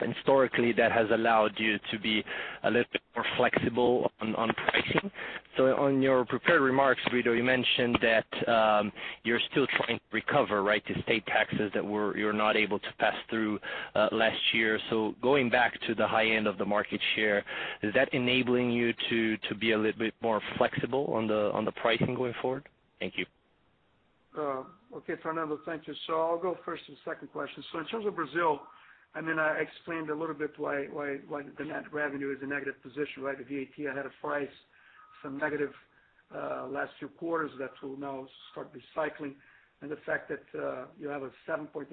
Historically, that has allowed you to be a little bit more flexible on pricing. On your prepared remarks, Brito, you mentioned that you're still trying to recover, right? The state taxes that you're not able to pass through last year. Going back to the high end of the market share, is that enabling you to be a little bit more flexible on the pricing going forward? Thank you. Okay, Fernando, thank you. I'll go first to the second question. In terms of Brazil, I explained a little bit why the net revenue is a negative position, right? The VAT ahead of price from negative last few quarters, that will now start recycling. The fact that you have a 7.8%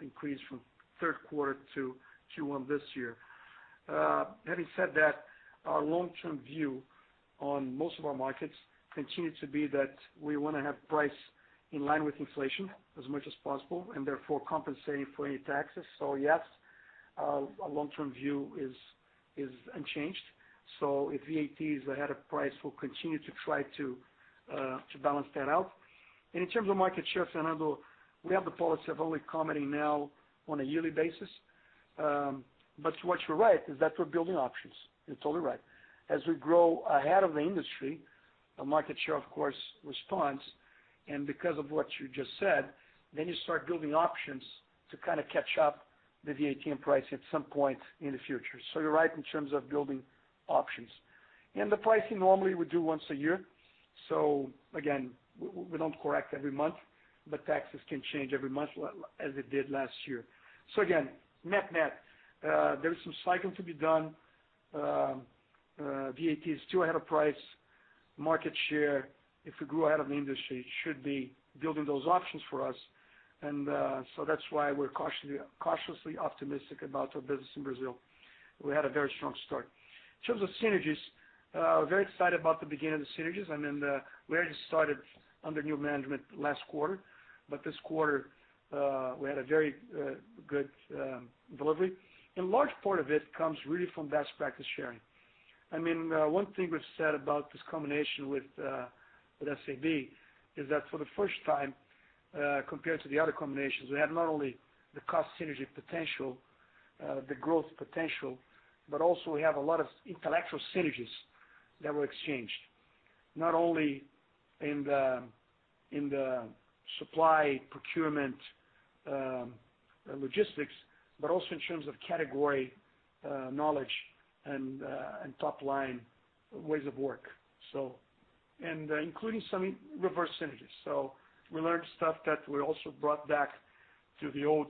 increase from third quarter to Q1 this year. Having said that, our long-term view on most of our markets continues to be that we want to have price in line with inflation as much as possible and therefore compensate for any taxes. Yes, our long-term view is unchanged. If VAT is ahead of price, we'll continue to try to balance that out. In terms of market share, Fernando, we have the policy of only commenting now on a yearly basis. But what you're right is that we're building options. You're totally right. As we grow ahead of the industry, the market share, of course, responds. Because of what you just said, you start building options to kind of catch up the VAT and price at some point in the future. You're right in terms of building options. The pricing normally we do once a year. We don't correct every month, but taxes can change every month as it did last year. Net-net, there is some cycling to be done. VAT is still ahead of price. Market share, if we grew ahead of the industry, should be building those options for us. That's why we're cautiously optimistic about our business in Brazil. We had a very strong start. In terms of synergies, very excited about the beginning of the synergies. I mean, we already started under new management last quarter, but this quarter we had a very good delivery. Large part of it comes really from best practice sharing. I mean, one thing we've said about this combination with SAB is that for the first time, compared to the other combinations, we had not only the cost synergy potential, the growth potential, but also we have a lot of intellectual synergies that were exchanged, not only in the supply procurement logistics, but also in terms of category knowledge and top line ways of work. Including some reverse synergies. We learned stuff that we also brought back to the old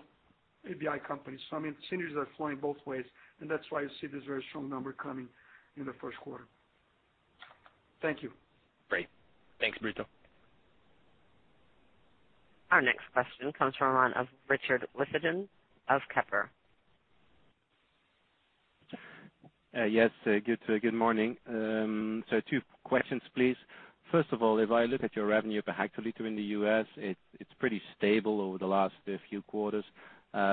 ABI company. I mean, synergies are flowing both ways, that's why you see this very strong number coming in the first quarter. Thank you. Great. Thanks, Brito. Our next question comes from the line of Richard Lissaman of Kepler Cheuvreux. Yes. Good morning. Two questions, please. First of all, if I look at your revenue per hectoliter in the U.S., it's pretty stable over the last few quarters.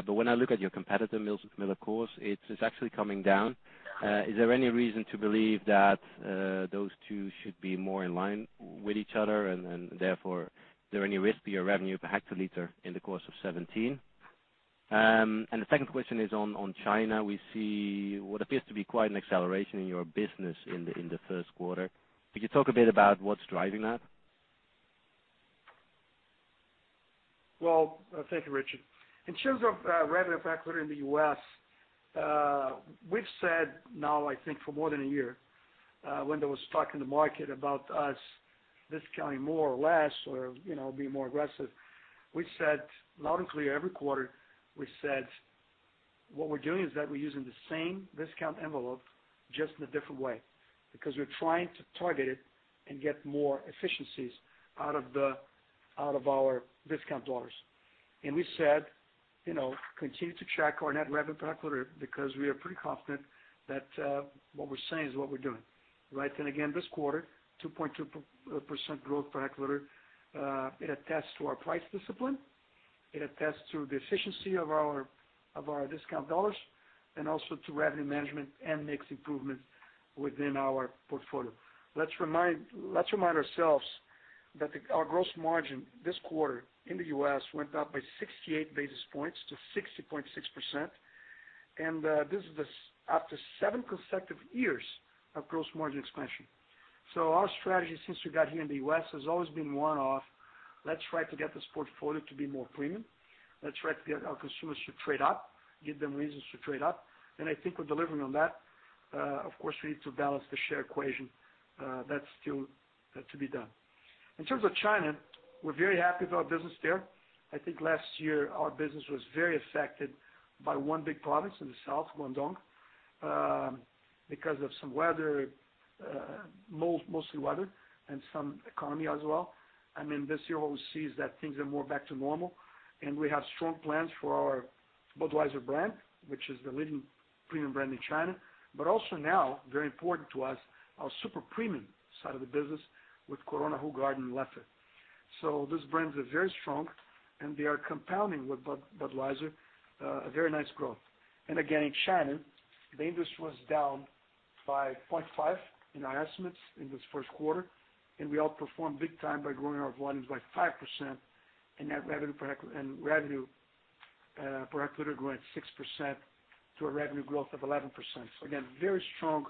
When I look at your competitor, MillerCoors, it's actually coming down. Is there any reason to believe that those two should be more in line with each other and therefore, is there any risk to your revenue per hectoliter in the course of 2017? The second question is on China. We see what appears to be quite an acceleration in your business in the first quarter. Could you talk a bit about what's driving that? Thank you, Richard. In terms of revenue per hectoliter in the U.S., we've said now, I think for more than a year, when there was talk in the market about us discounting more or less or being more aggressive, we said loud and clear every quarter, we said what we're doing is that we're using the same discount envelope just in a different way because we're trying to target it and get more efficiencies out of our discount dollars. We said continue to track our net revenue per hectoliter because we are pretty confident that what we're saying is what we're doing. Again this quarter, 2.2% growth per hectoliter. It attests to our price discipline. It attests to the efficiency of our discount dollars and also to revenue management and mix improvements within our portfolio. Let's remind ourselves that our gross margin this quarter in the U.S. went up by 68 basis points to 60.6%. This is after seven consecutive years of gross margin expansion. Our strategy since we got here in the U.S. has always been one of let's try to get this portfolio to be more premium. Let's try to get our consumers to trade up, give them reasons to trade up, and I think we're delivering on that. Of course, we need to balance the share equation. That's still to be done. In terms of China, we're very happy with our business there. I think last year our business was very affected by one big province in the south, Guangdong, because of some weather, mostly weather, and some economy as well. This year what we see is that things are more back to normal. We have strong plans for our Budweiser brand, which is the leading premium brand in China. Also now very important to us, our super premium side of the business with Corona, Hoegaarden, Leffe. Those brands are very strong and they are compounding with Budweiser, a very nice growth. Again, in China, the industry was down by 0.5 in our estimates in this first quarter. We outperformed big time by growing our volumes by 5% and revenue per hectoliter grew at 6% to a revenue growth of 11%. Again, very strong,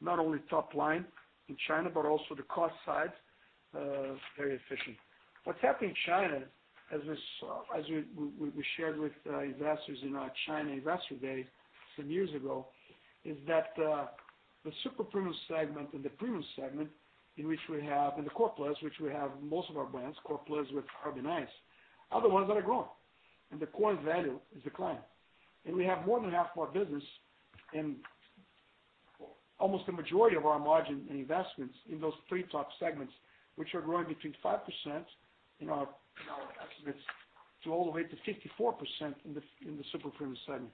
not only top line in China but also the cost side, very efficient. What's happening in China, as we shared with investors in our China Investor Day some years ago, is that the super premium segment and the premium segment in which we have, and the core plus, which we have most of our brands, core plus with Harbin Ice, are the ones that are growing and the core and value is declining. We have more than half our business and almost the majority of our margin and investments in those three top segments, which are growing between 5% in our estimates to all the way to 54% in the super premium segment.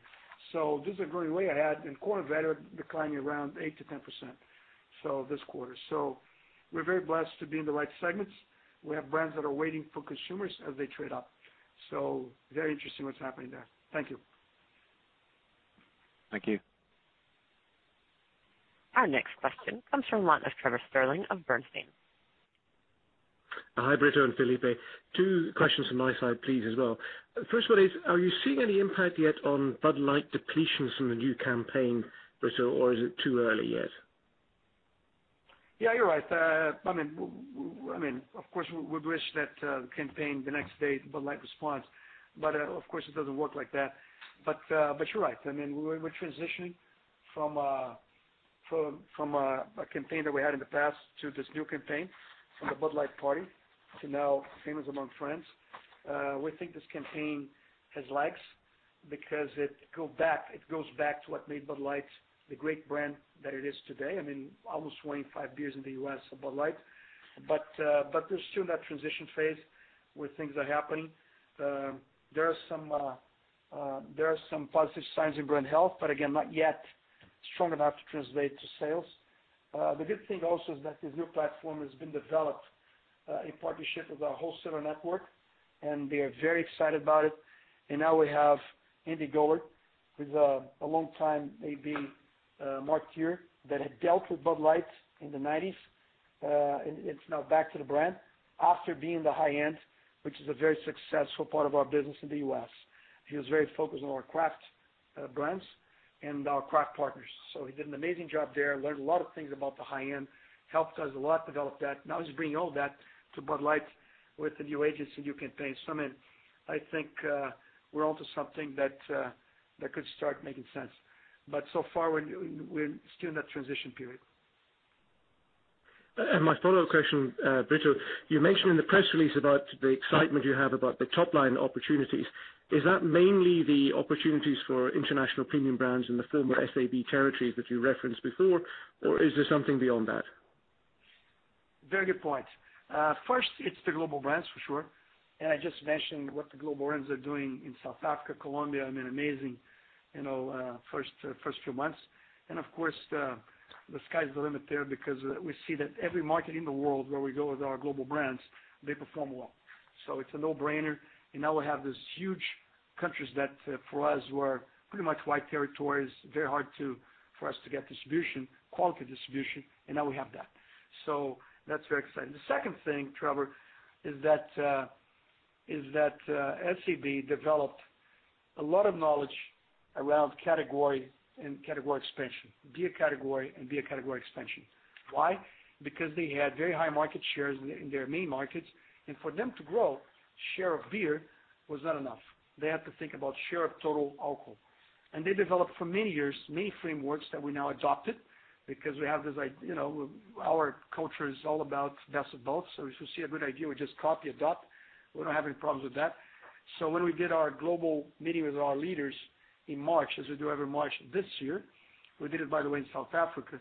This is a great way to add and Core and value are declining around 8%-10% this quarter. We're very blessed to be in the right segments. We have brands that are waiting for consumers as they trade up. Very interesting what's happening there. Thank you. Thank you. Our next question comes from the line of Trevor Stirling of Bernstein. Hi, Brito and Felipe. Two questions from my side please as well. First one is, are you seeing any impact yet on Bud Light depletions from the new campaign, Brito, or is it too early yet? Yeah, you're right. Of course, we wish that the campaign, the next day Bud Light responds, of course it doesn't work like that. You're right. We're transitioning from a campaign that we had in the past to this new campaign from the Bud Light party to now Famous Among Friends. We think this campaign has legs because it goes back to what made Bud Light the great brand that it is today. Almost 25 years in the U.S. of Bud Light. There's still that transition phase where things are happening. There are some positive signs in brand health, but again, not yet strong enough to translate to sales. The good thing also is that this new platform has been developed in partnership with our wholesaler network, and they are very excited about it. Now we have Andy Goeler, who's a long-time AB marketer that had dealt with Bud Light in the '90s, and it's now back to the brand after being the high-end, which is a very successful part of our business in the U.S. He was very focused on our craft brands and our craft partners. He did an amazing job there, learned a lot of things about the high end, helped us a lot develop that. Now he's bringing all that to Bud Light with the new agency, new campaign. I think we're onto something that could start making sense. So far, we're still in that transition period. My follow-up question, Brito, you mentioned in the press release about the excitement you have about the top-line opportunities. Is that mainly the opportunities for international premium brands in the former SAB territories that you referenced before, or is there something beyond that? Very good point. First, it's the global brands for sure. I just mentioned what the global brands are doing in South Africa, Colombia, have been amazing first few months. Of course, the sky's the limit there because we see that every market in the world where we go with our global brands, they perform well. It's a no-brainer. Now we have these huge countries that for us were pretty much white territories, very hard for us to get quality distribution, and now we have that. That's very exciting. The second thing, Trevor, is that SAB developed a lot of knowledge around category and category expansion, beer category and beer category expansion. Why? Because they had very high market shares in their main markets, and for them to grow share of beer was not enough. They had to think about share of total alcohol. They developed for many years, many frameworks that we now adopted because our culture is all about best of both. If we see a good idea, we just copy, adopt. We don't have any problems with that. When we did our global meeting with our leaders in March, as we do every March, this year, we did it by the way, in South Africa.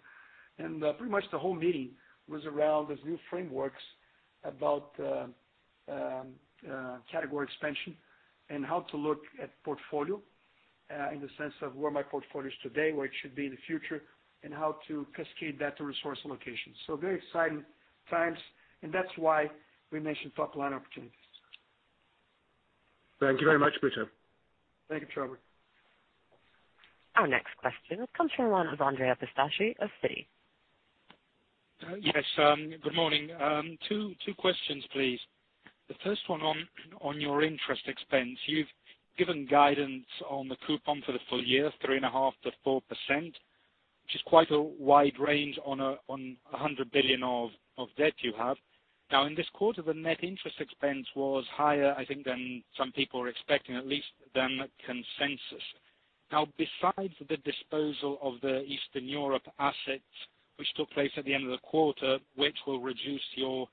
Pretty much the whole meeting was around these new frameworks about category expansion and how to look at portfolio in the sense of where my portfolio is today, where it should be in the future, and how to cascade that to resource allocation. Very exciting times, and that's why we mentioned top-line opportunities. Thank you very much, Brito. Thank you, Trevor. Our next question comes from the line of Andrea Pistacchi of Citi. Yes. Good morning. Two questions, please. The first one on your interest expense. You've given guidance on the coupon for the full year, 3.5%-4%, which is quite a wide range on $100 billion of debt you have. In this quarter, the net interest expense was higher, I think, than some people were expecting, at least than consensus. Besides the disposal of the Eastern Europe assets, which took place at the end of the quarter, which will reduce your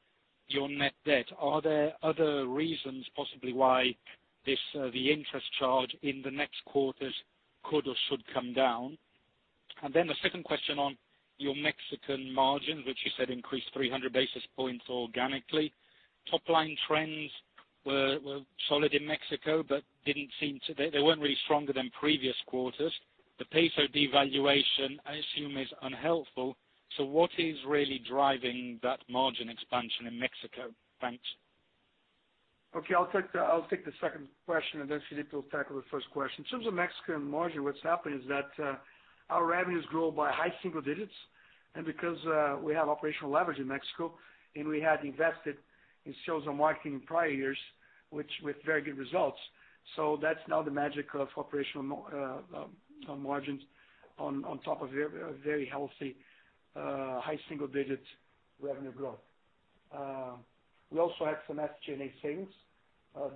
net debt, are there other reasons possibly why the interest charge in the next quarters could or should come down? The second question on your Mexican margins, which you said increased 300 basis points organically. Topline trends were solid in Mexico, but they weren't really stronger than previous quarters. The peso devaluation, I assume, is unhelpful. What is really driving that margin expansion in Mexico, thanks? Okay. I'll take the second question. Felipe will tackle the first question. In terms of Mexican margin, what's happened is that our revenues grow by high single digits, because we have operational leverage in Mexico, and we had invested in sales and marketing in prior years with very good results. That's now the magic of operational margins on top of very healthy high single-digit revenue growth. We also had some SG&A savings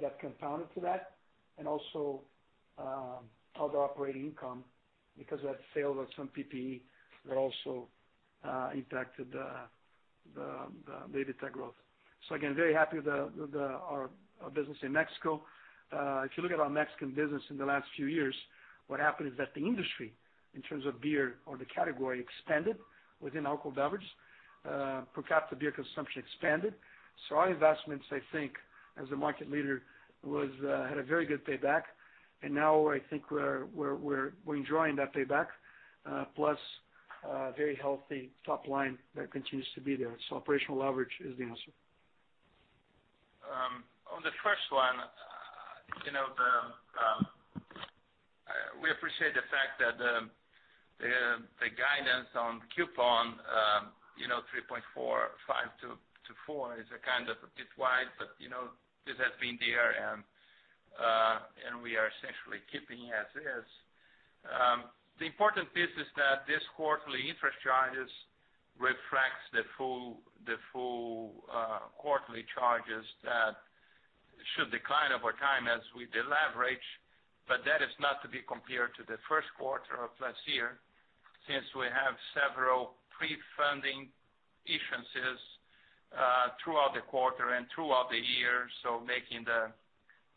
that compounded to that and also other operating income because we had sales of some PPE that also impacted the EBITDA growth. Again, very happy with our business in Mexico. If you look at our Mexican business in the last few years, what happened is that the industry, in terms of beer or the category, expanded within alcohol beverage. Per capita beer consumption expanded. Our investments, I think, as a market leader had a very good payback. Now I think we're enjoying that payback plus a very healthy top line that continues to be there. Operational leverage is the answer. On the first one, we appreciate the fact that the guidance on coupon 3.45 to four is a kind of bit wide, but this has been there and we are essentially keeping as is. The important piece is that this quarterly interest charges reflects the full quarterly charges that should decline over time as we deleverage. That is not to be compared to the first quarter of last year since we have several pre-funding issuances throughout the quarter and throughout the year, so making the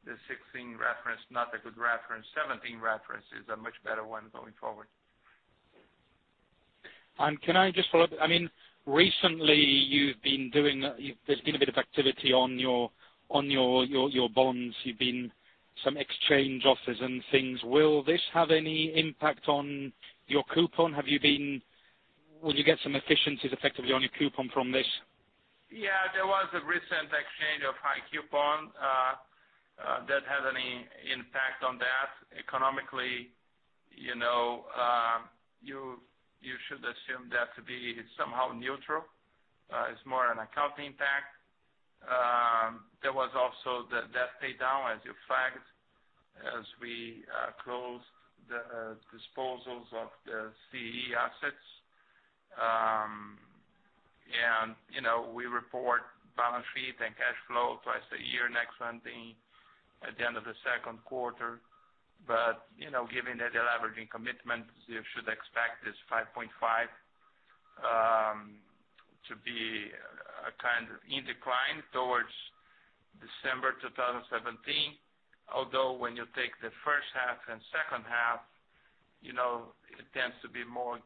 2016 reference not a good reference. 2017 reference is a much better one going forward. Can I just follow up? Recently there's been a bit of activity on your bonds. You've been some exchange offers and things. Will this have any impact on your coupon? Would you get some efficiencies effectively on your coupon from this? Yeah, there was a recent exchange of high coupon that had any impact on that. Economically, you should assume that to be somehow neutral. It's more an accounting impact. There was also the debt pay down as you flagged as we closed the disposals of the CE assets. We report balance sheet and cash flow twice a year, next one at the end of the second quarter. Given the deleveraging commitment, you should expect this 5.5 to be in decline. December 2017. When you take the first half and second half, it tends to be more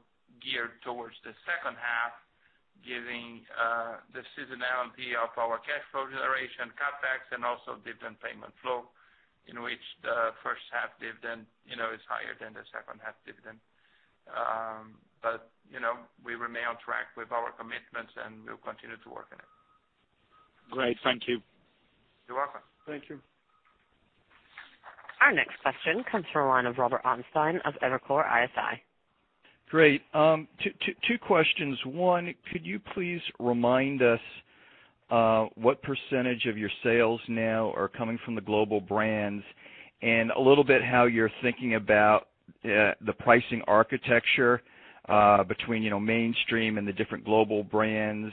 geared towards the second half, giving the seasonality of our cash flow generation, CapEx, and also dividend payment flow, in which the first-half dividend is higher than the second-half dividend. We remain on track with our commitments, and we'll continue to work on it. Great. Thank you. You're welcome. Thank you. Our next question comes from the line of Robert Ottenstein of Evercore ISI. Great. Two questions. One, could you please remind us what percentage of your sales now are coming from the global brands, and a little bit how you're thinking about the pricing architecture between mainstream and the different global brands,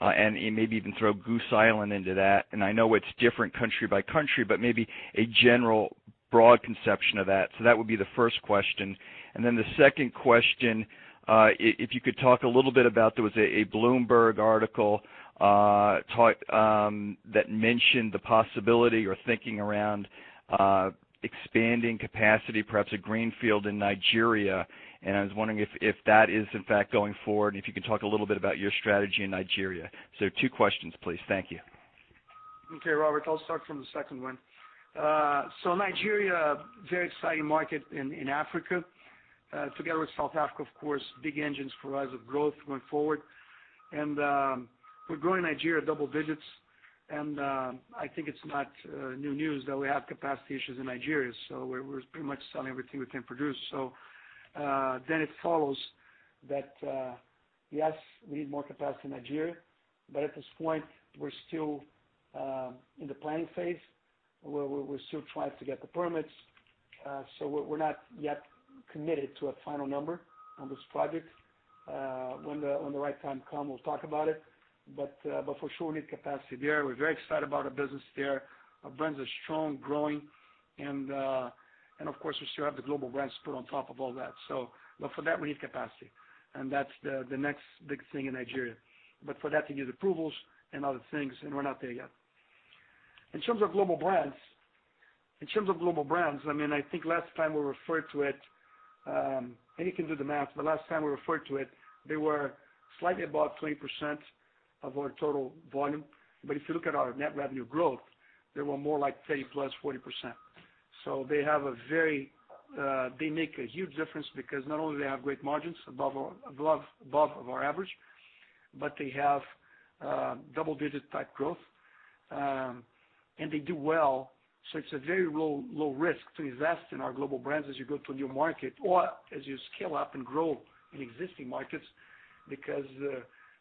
and maybe even throw Goose Island into that. I know it's different country by country, but maybe a general broad conception of that. That would be the first question. Then the second question, if you could talk a little bit about, there was a Bloomberg article that mentioned the possibility or thinking around expanding capacity, perhaps a greenfield in Nigeria. And I was wondering if that is in fact going forward, and if you could talk a little bit about your strategy in Nigeria. Two questions, please. Thank you. Okay, Robert, I'll start from the second one. Nigeria, very exciting market in Africa. Together with South Africa, of course, big engines for rise of growth going forward. We're growing Nigeria double digits, and I think it's not new news that we have capacity issues in Nigeria. We're pretty much selling everything we can produce. Then it follows that, yes, we need more capacity in Nigeria, but at this point, we're still in the planning phase where we're still trying to get the permits. We're not yet committed to a final number on this project. When the right time come, we'll talk about it. For sure, we need capacity there. We're very excited about our business there. Our brands are strong, growing, and, of course, we still have the global brands to put on top of all that. For that, we need capacity, and that's the next big thing in Nigeria. For that, you need approvals and other things, and we're not there yet. In terms of global brands, I think last time we referred to it, and you can do the math, but last time we referred to it, they were slightly above 20% of our total volume. If you look at our net revenue growth, they were more like 30-plus, 40%. They make a huge difference because not only do they have great margins above of our average, but they have double-digit type growth. They do well, so it's a very low risk to invest in our global brands as you go to a new market or as you scale up and grow in existing markets because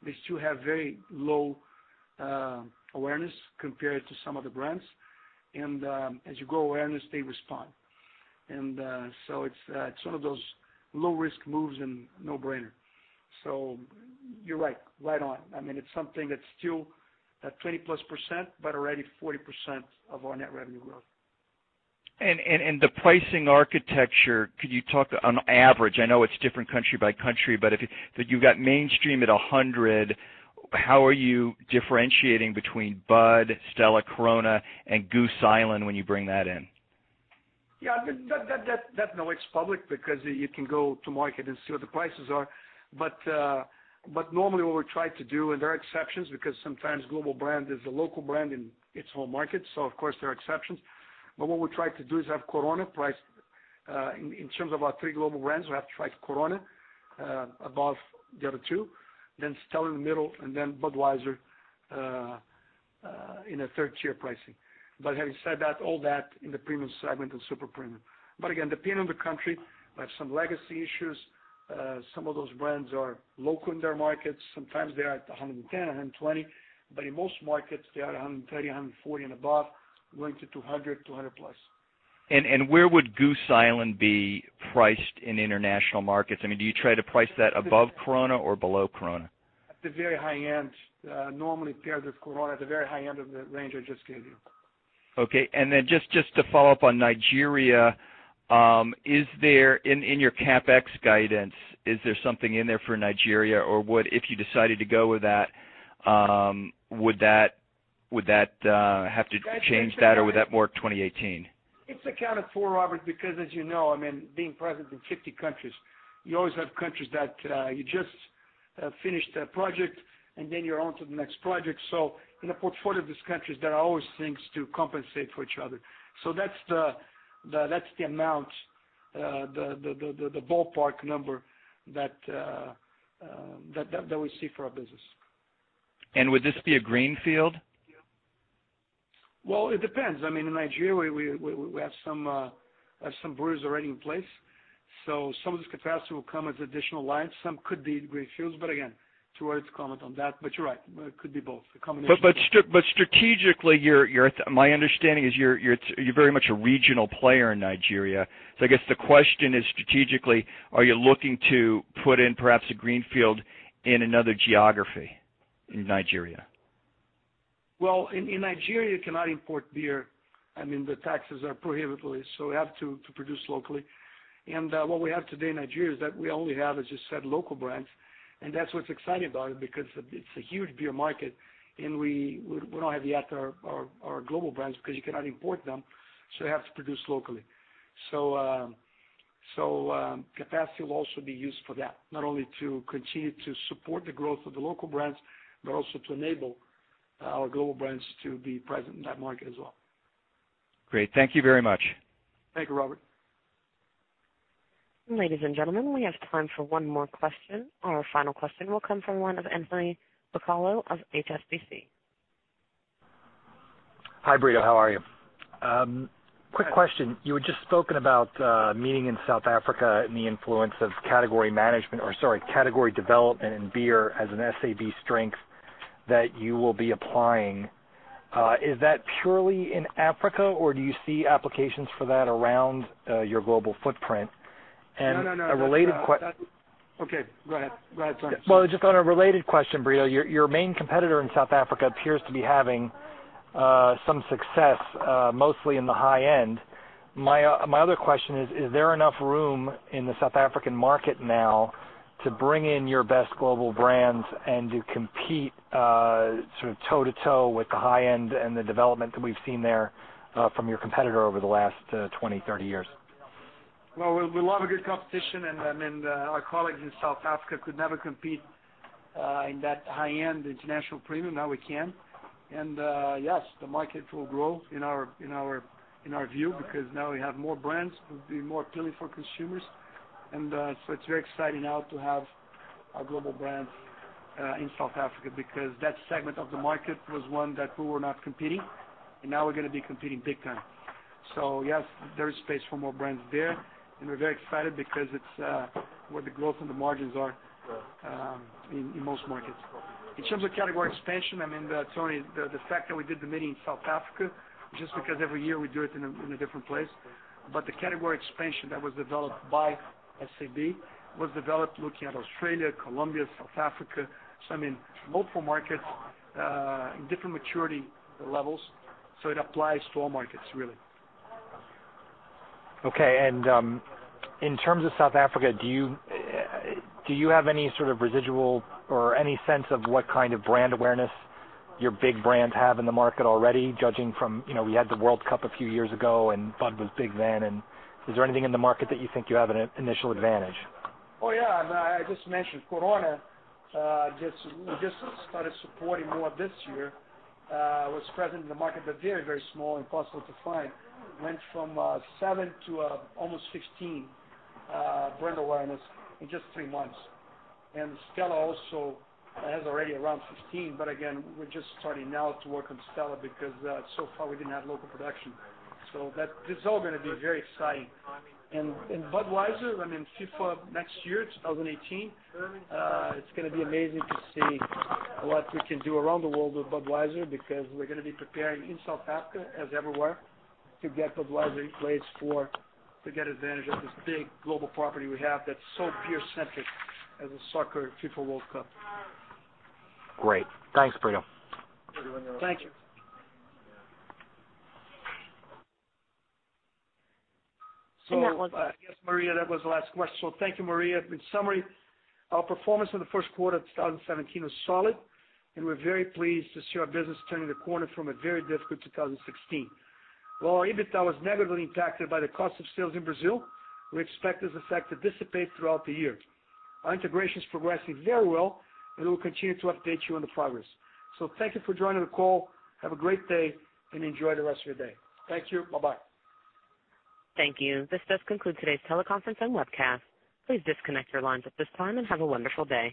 they still have very low awareness compared to some of the brands. As you grow awareness, they respond. It's one of those low-risk moves and no-brainer. You're right on. It's something that's still at 20%-plus, but already 40% of our net revenue growth. The pricing architecture, could you talk on average, I know it's different country by country, but if you've got mainstream at 100, how are you differentiating between Bud, Stella, Corona, and Goose Island when you bring that in? That now it's public because you can go to market and see what the prices are. Normally what we try to do, and there are exceptions because sometimes global brand is a local brand in its home market, so of course there are exceptions. What we try to do is have Corona priced, in terms of our three global brands, we have to price Corona above the other two, then Stella in the middle, and then Budweiser in a 3rd-tier pricing. Having said that, all that in the premium segment and super premium. Again, depending on the country, we have some legacy issues. Some of those brands are local in their markets. Sometimes they are at 110, 120. In most markets, they are 130, 140 and above, going to 200-plus. Where would Goose Island be priced in international markets? Do you try to price that above Corona or below Corona? At the very high-end. Normally paired with Corona at the very high end of the range I just gave you. Okay. Just to follow up on Nigeria, in your CapEx guidance, is there something in there for Nigeria or If you decided to go with that, would that have to change that or would that more 2018? It's accounted for, Robert, because as you know, being present in 50 countries, you always have countries that you just finished a project you're on to the next project. In a portfolio of these countries, there are always things to compensate for each other. That's the amount, the ballpark number that we see for our business. Would this be a greenfield? Well, it depends. In Nigeria, we have some breweries already in place. Some of this capacity will come as additional lines. Some could be greenfields. Again, too early to comment on that. You're right. It could be both, a combination. Strategically, my understanding is you're very much a regional player in Nigeria. I guess the question is, strategically, are you looking to put in perhaps a greenfield in another geography in Nigeria? Well, in Nigeria, you cannot import beer. The taxes are prohibitively, so we have to produce locally. What we have today in Nigeria is that we only have, as you said, local brands, and that's what's exciting about it, because it's a huge beer market, and we don't have yet our global brands because you cannot import them, so we have to produce locally. Capacity will also be used for that, not only to continue to support the growth of the local brands, but also to enable our global brands to be present in that market as well. Great. Thank you very much. Thank you, Robert. Ladies and gentlemen, we have time for one more question. Our final question will come from the line of Anthony Bucalo of HSBC. Hi, Brito. How are you? Quick question. You had just spoken about meeting in South Africa and the influence of category management or, sorry, category development in beer as an SAB strength that you will be applying. Is that purely in Africa, or do you see applications for that around your global footprint? No. Okay, go ahead, Tony. Well, just on a related question, Brito, your main competitor in South Africa appears to be having some success, mostly in the high end. My other question is there enough room in the South African market now to bring in your best global brands and to compete toe-to-toe with the high end and the development that we've seen there from your competitor over the last 20, 30 years? Well, we love a good competition, our colleagues in South Africa could never compete in that high-end international premium. Now we can. Yes, the market will grow in our view, because now we have more brands, it will be more appealing for consumers. It's very exciting now to have our global brands in South Africa because that segment of the market was one that we were not competing, and now we're going to be competing big time. Yes, there is space for more brands there, and we're very excited because it's where the growth and the margins are in most markets. In terms of category expansion, Tony, the fact that we did the meeting in South Africa, just because every year we do it in a different place. But the category expansion that was developed by SAB was developed looking at Australia, Colombia, South Africa. Multiple markets, different maturity levels. It applies to all markets really. Okay. In terms of South Africa, do you have any sort of residual or any sense of what kind of brand awareness your big brands have in the market already, judging from, we had the World Cup a few years ago and Bud was big then, is there anything in the market that you think you have an initial advantage? Oh, yeah. I just mentioned Corona. We just started supporting more this year. Was present in the market, but very small and impossible to find. Went from seven to almost 15 brand awareness in just three months. Stella also has already around 15, but again, we're just starting now to work on Stella because so far we didn't have local production. This is all going to be very exciting. Budweiser, FIFA next year, 2018, it's going to be amazing to see what we can do around the world with Budweiser because we're going to be preparing in South Africa as everywhere to get Budweiser in place to get advantage of this big global property we have that's so beer-centric as a soccer FIFA World Cup. Great. Thanks, Brito. Thank you. One more question. Yes, Maria, that was the last question. Thank you, Maria. In summary, our performance in the first quarter of 2017 was solid, and we're very pleased to see our business turning the corner from a very difficult 2016. While our EBITDA was negatively impacted by the cost of sales in Brazil, we expect this effect to dissipate throughout the year. Our integration is progressing very well, and we will continue to update you on the progress. Thank you for joining the call. Have a great day, and enjoy the rest of your day. Thank you. Bye-bye. Thank you. This does conclude today's teleconference and webcast. Please disconnect your lines at this time and have a wonderful day.